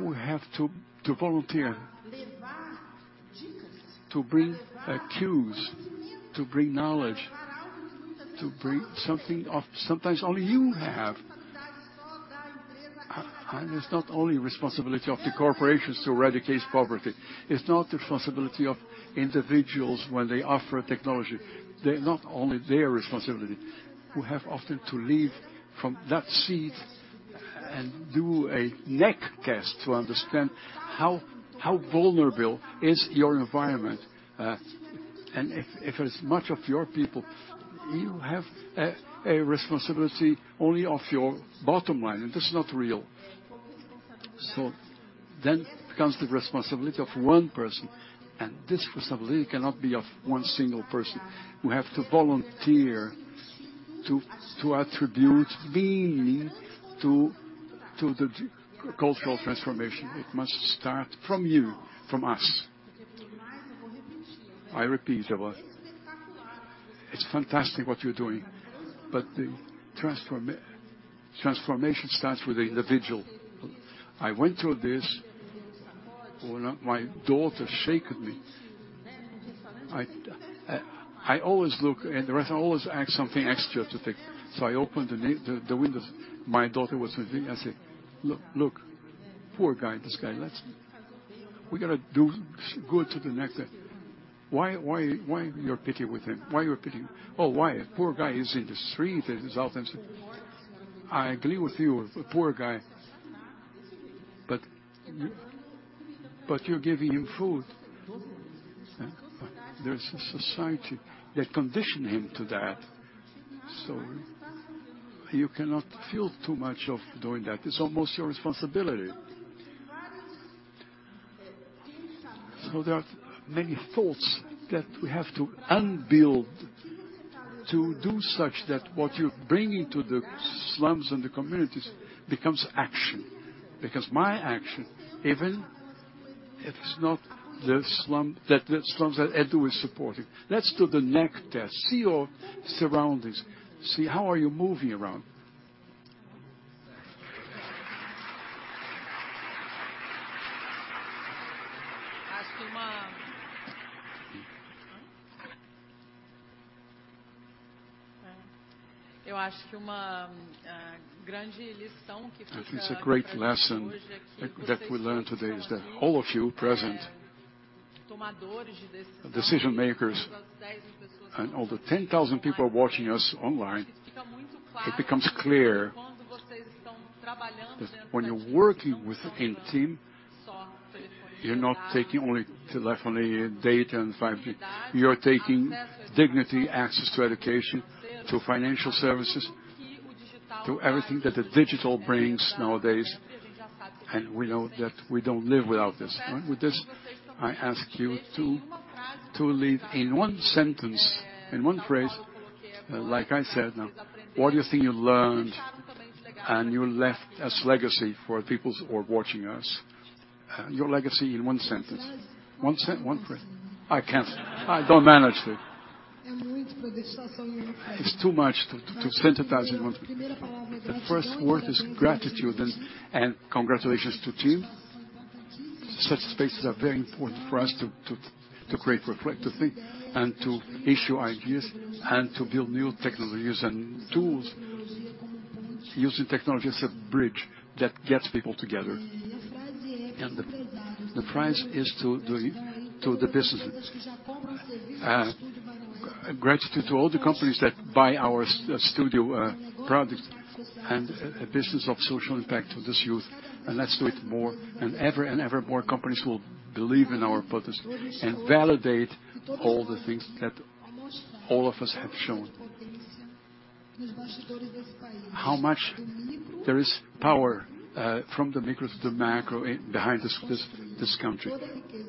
we have to volunteer, to bring cues, to bring knowledge, to bring something of sometimes only you have. It's not only responsibility of the corporations to eradicate poverty. It's not the responsibility of individuals when they offer a technology. They're not only their responsibility, who have often to leave from that seat and do a needs test to understand how vulnerable is your environment. If it's much of your people, you have a responsibility only of your bottom line, and that's not real. Comes the responsibility of one person, and this responsibility cannot be of one single person. We have to volunteer to attribute meaning to the cultural transformation. It must start from you, from us. I repeat it was. It's fantastic what you're doing, but the transformation starts with the individual. I went through this. Well, my daughter shaken me. I always look in the restaurant, always ask something extra to take. I open the windows. My daughter was with me. I say, "Look. Poor guy, this guy. Let's we gotta do good to the next guy." Why you're pity with him? Why you're pity? "Oh, why? “Poor guy is in the street and is out and stuff.” I agree with you. Poor guy. You're giving him food. There's a society that conditioned him to that. You cannot feel too much of doing that. It's almost your responsibility. There are many thoughts that we have to unbuild to do such that what you're bringing to the slums and the communities becomes action. Because my action, even it is not the slum, the slums that Edu is supporting. Let's do the next test. See your surroundings. See how are you moving around. I think it's a great lesson that we learned today is that all of you present decision-makers, and all the 10,000 people watching us online, it becomes clear that when you're working within team, you're not taking only telephony, data, and fiber. You're taking dignity, access to education, to financial services, to everything that the digital brings nowadays. We know that we don't live without this, right? With this, I ask you to leave in one sentence, in one phrase, like I said, what do you think you learned and you left as legacy for peoples who are watching us? Your legacy in one sentence. One phrase. I can't. I don't manage it. It's too much to synthesize it in one. The first word is gratitude and congratulations to TIM. Such spaces are very important for us to create, reflect, to think, and to issue ideas and to build new technologies and tools using technology as a bridge that gets people together. The prize is to the businesses. Gratitude to all the companies that buy our studio product and a business of social impact to this youth, and let's do it more. Ever and ever more companies will believe in our purpose and validate all the things that all of us have shown. How much there is power from the micro to the macro behind this country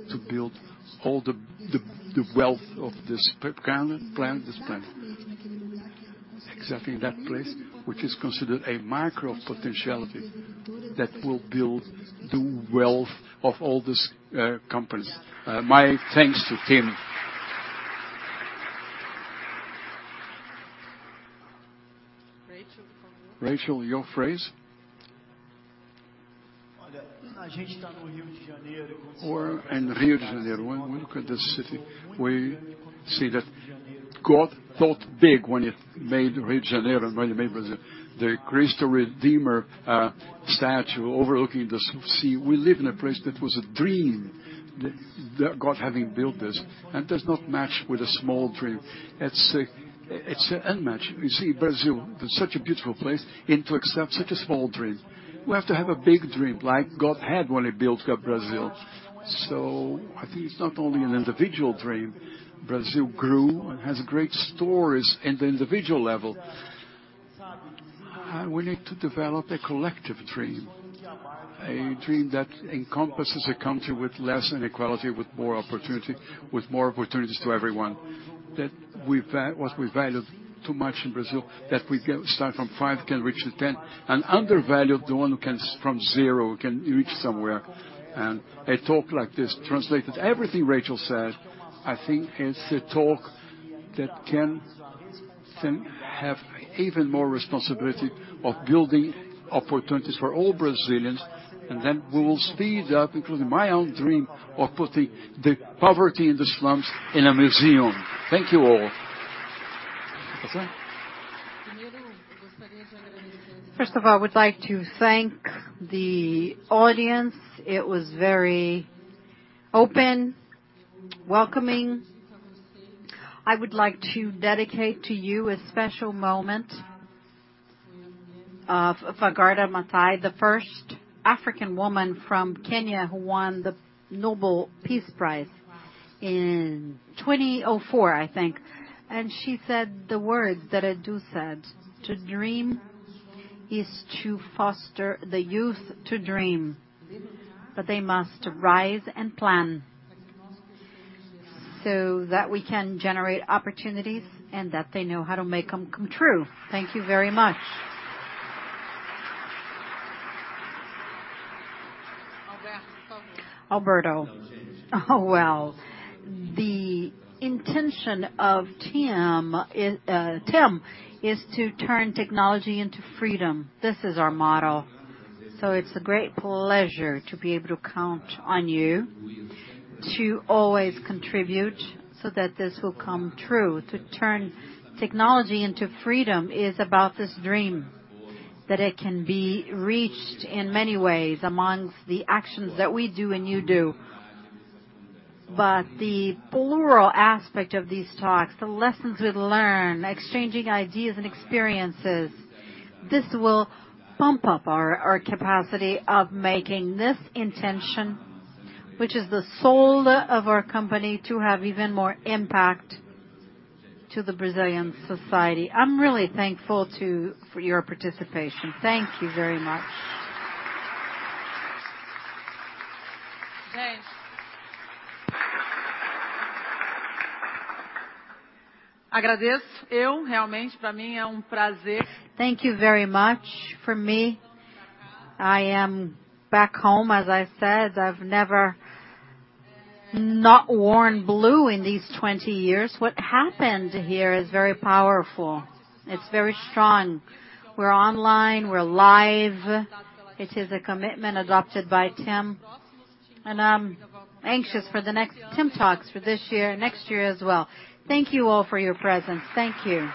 to build all the wealth of this planet. Exactly that place, which is considered a micro potentiality that will build the wealth of all these companies. My thanks to TIM. Rachel, por favor. Rachel, your phrase. In Rio de Janeiro, when we look at the city, we see that God thought big when it made Rio de Janeiro and when it made Brazil. The Cristo Redentor statue overlooking the sea. We live in a place that was a dream that God having built this and does not match with a small dream. It's a mismatch. You see Brazil, such a beautiful place, and to accept such a small dream. We have to have a big dream like God had when he built up Brazil. I think it's not only an individual dream. Brazil grew and has great stories in the individual level. We need to develop a collective dream, a dream that encompasses a country with less inequality, with more opportunity, with more opportunities to everyone. What we value too much in Brazil, that we get started from five, can reach to ten, and undervalue the one who can start from zero can reach somewhere. A talk like this translated everything Rachel said. I think it's a talk that can then have even more responsibility of building opportunities for all Brazilians, and then we will speed up, including my own dream of putting the poverty in the slums in a museum. Thank you all. That's it. First of all, I would like to thank the audience. It was very open, welcoming. I would like to dedicate to you a special moment of Wangari Maathai, the first African woman from Kenya who won the Nobel Peace Prize in 2004, I think. She said the words that Edu said, "To dream is to foster the youth to dream, but they must rise and plan so that we can generate opportunities and that they know how to make them come true." Thank you very much. Alberto, por favor. Oh, well. The intention of TIM is to turn technology into freedom. This is our motto. It's a great pleasure to be able to count on you to always contribute so that this will come true. To turn technology into freedom is about this dream that it can be reached in many ways among the actions that we do and you do. The plural aspect of these talks, the lessons we learn, exchanging ideas and experiences, this will pump up our capacity of making this intention, which is the soul of our company, to have even more impact to the Brazilian society. I'm really thankful for your participation. Thank you very much. Thank you very much. For me, I am back home, as I said. I've never not worn blue in these 20 years. What happened here is very powerful. It's very strong. We're online. We're live. It is a commitment adopted by TIM, and I'm anxious for the next TIM Talks for this year and next year as well. Thank you all for your presence. Thank you.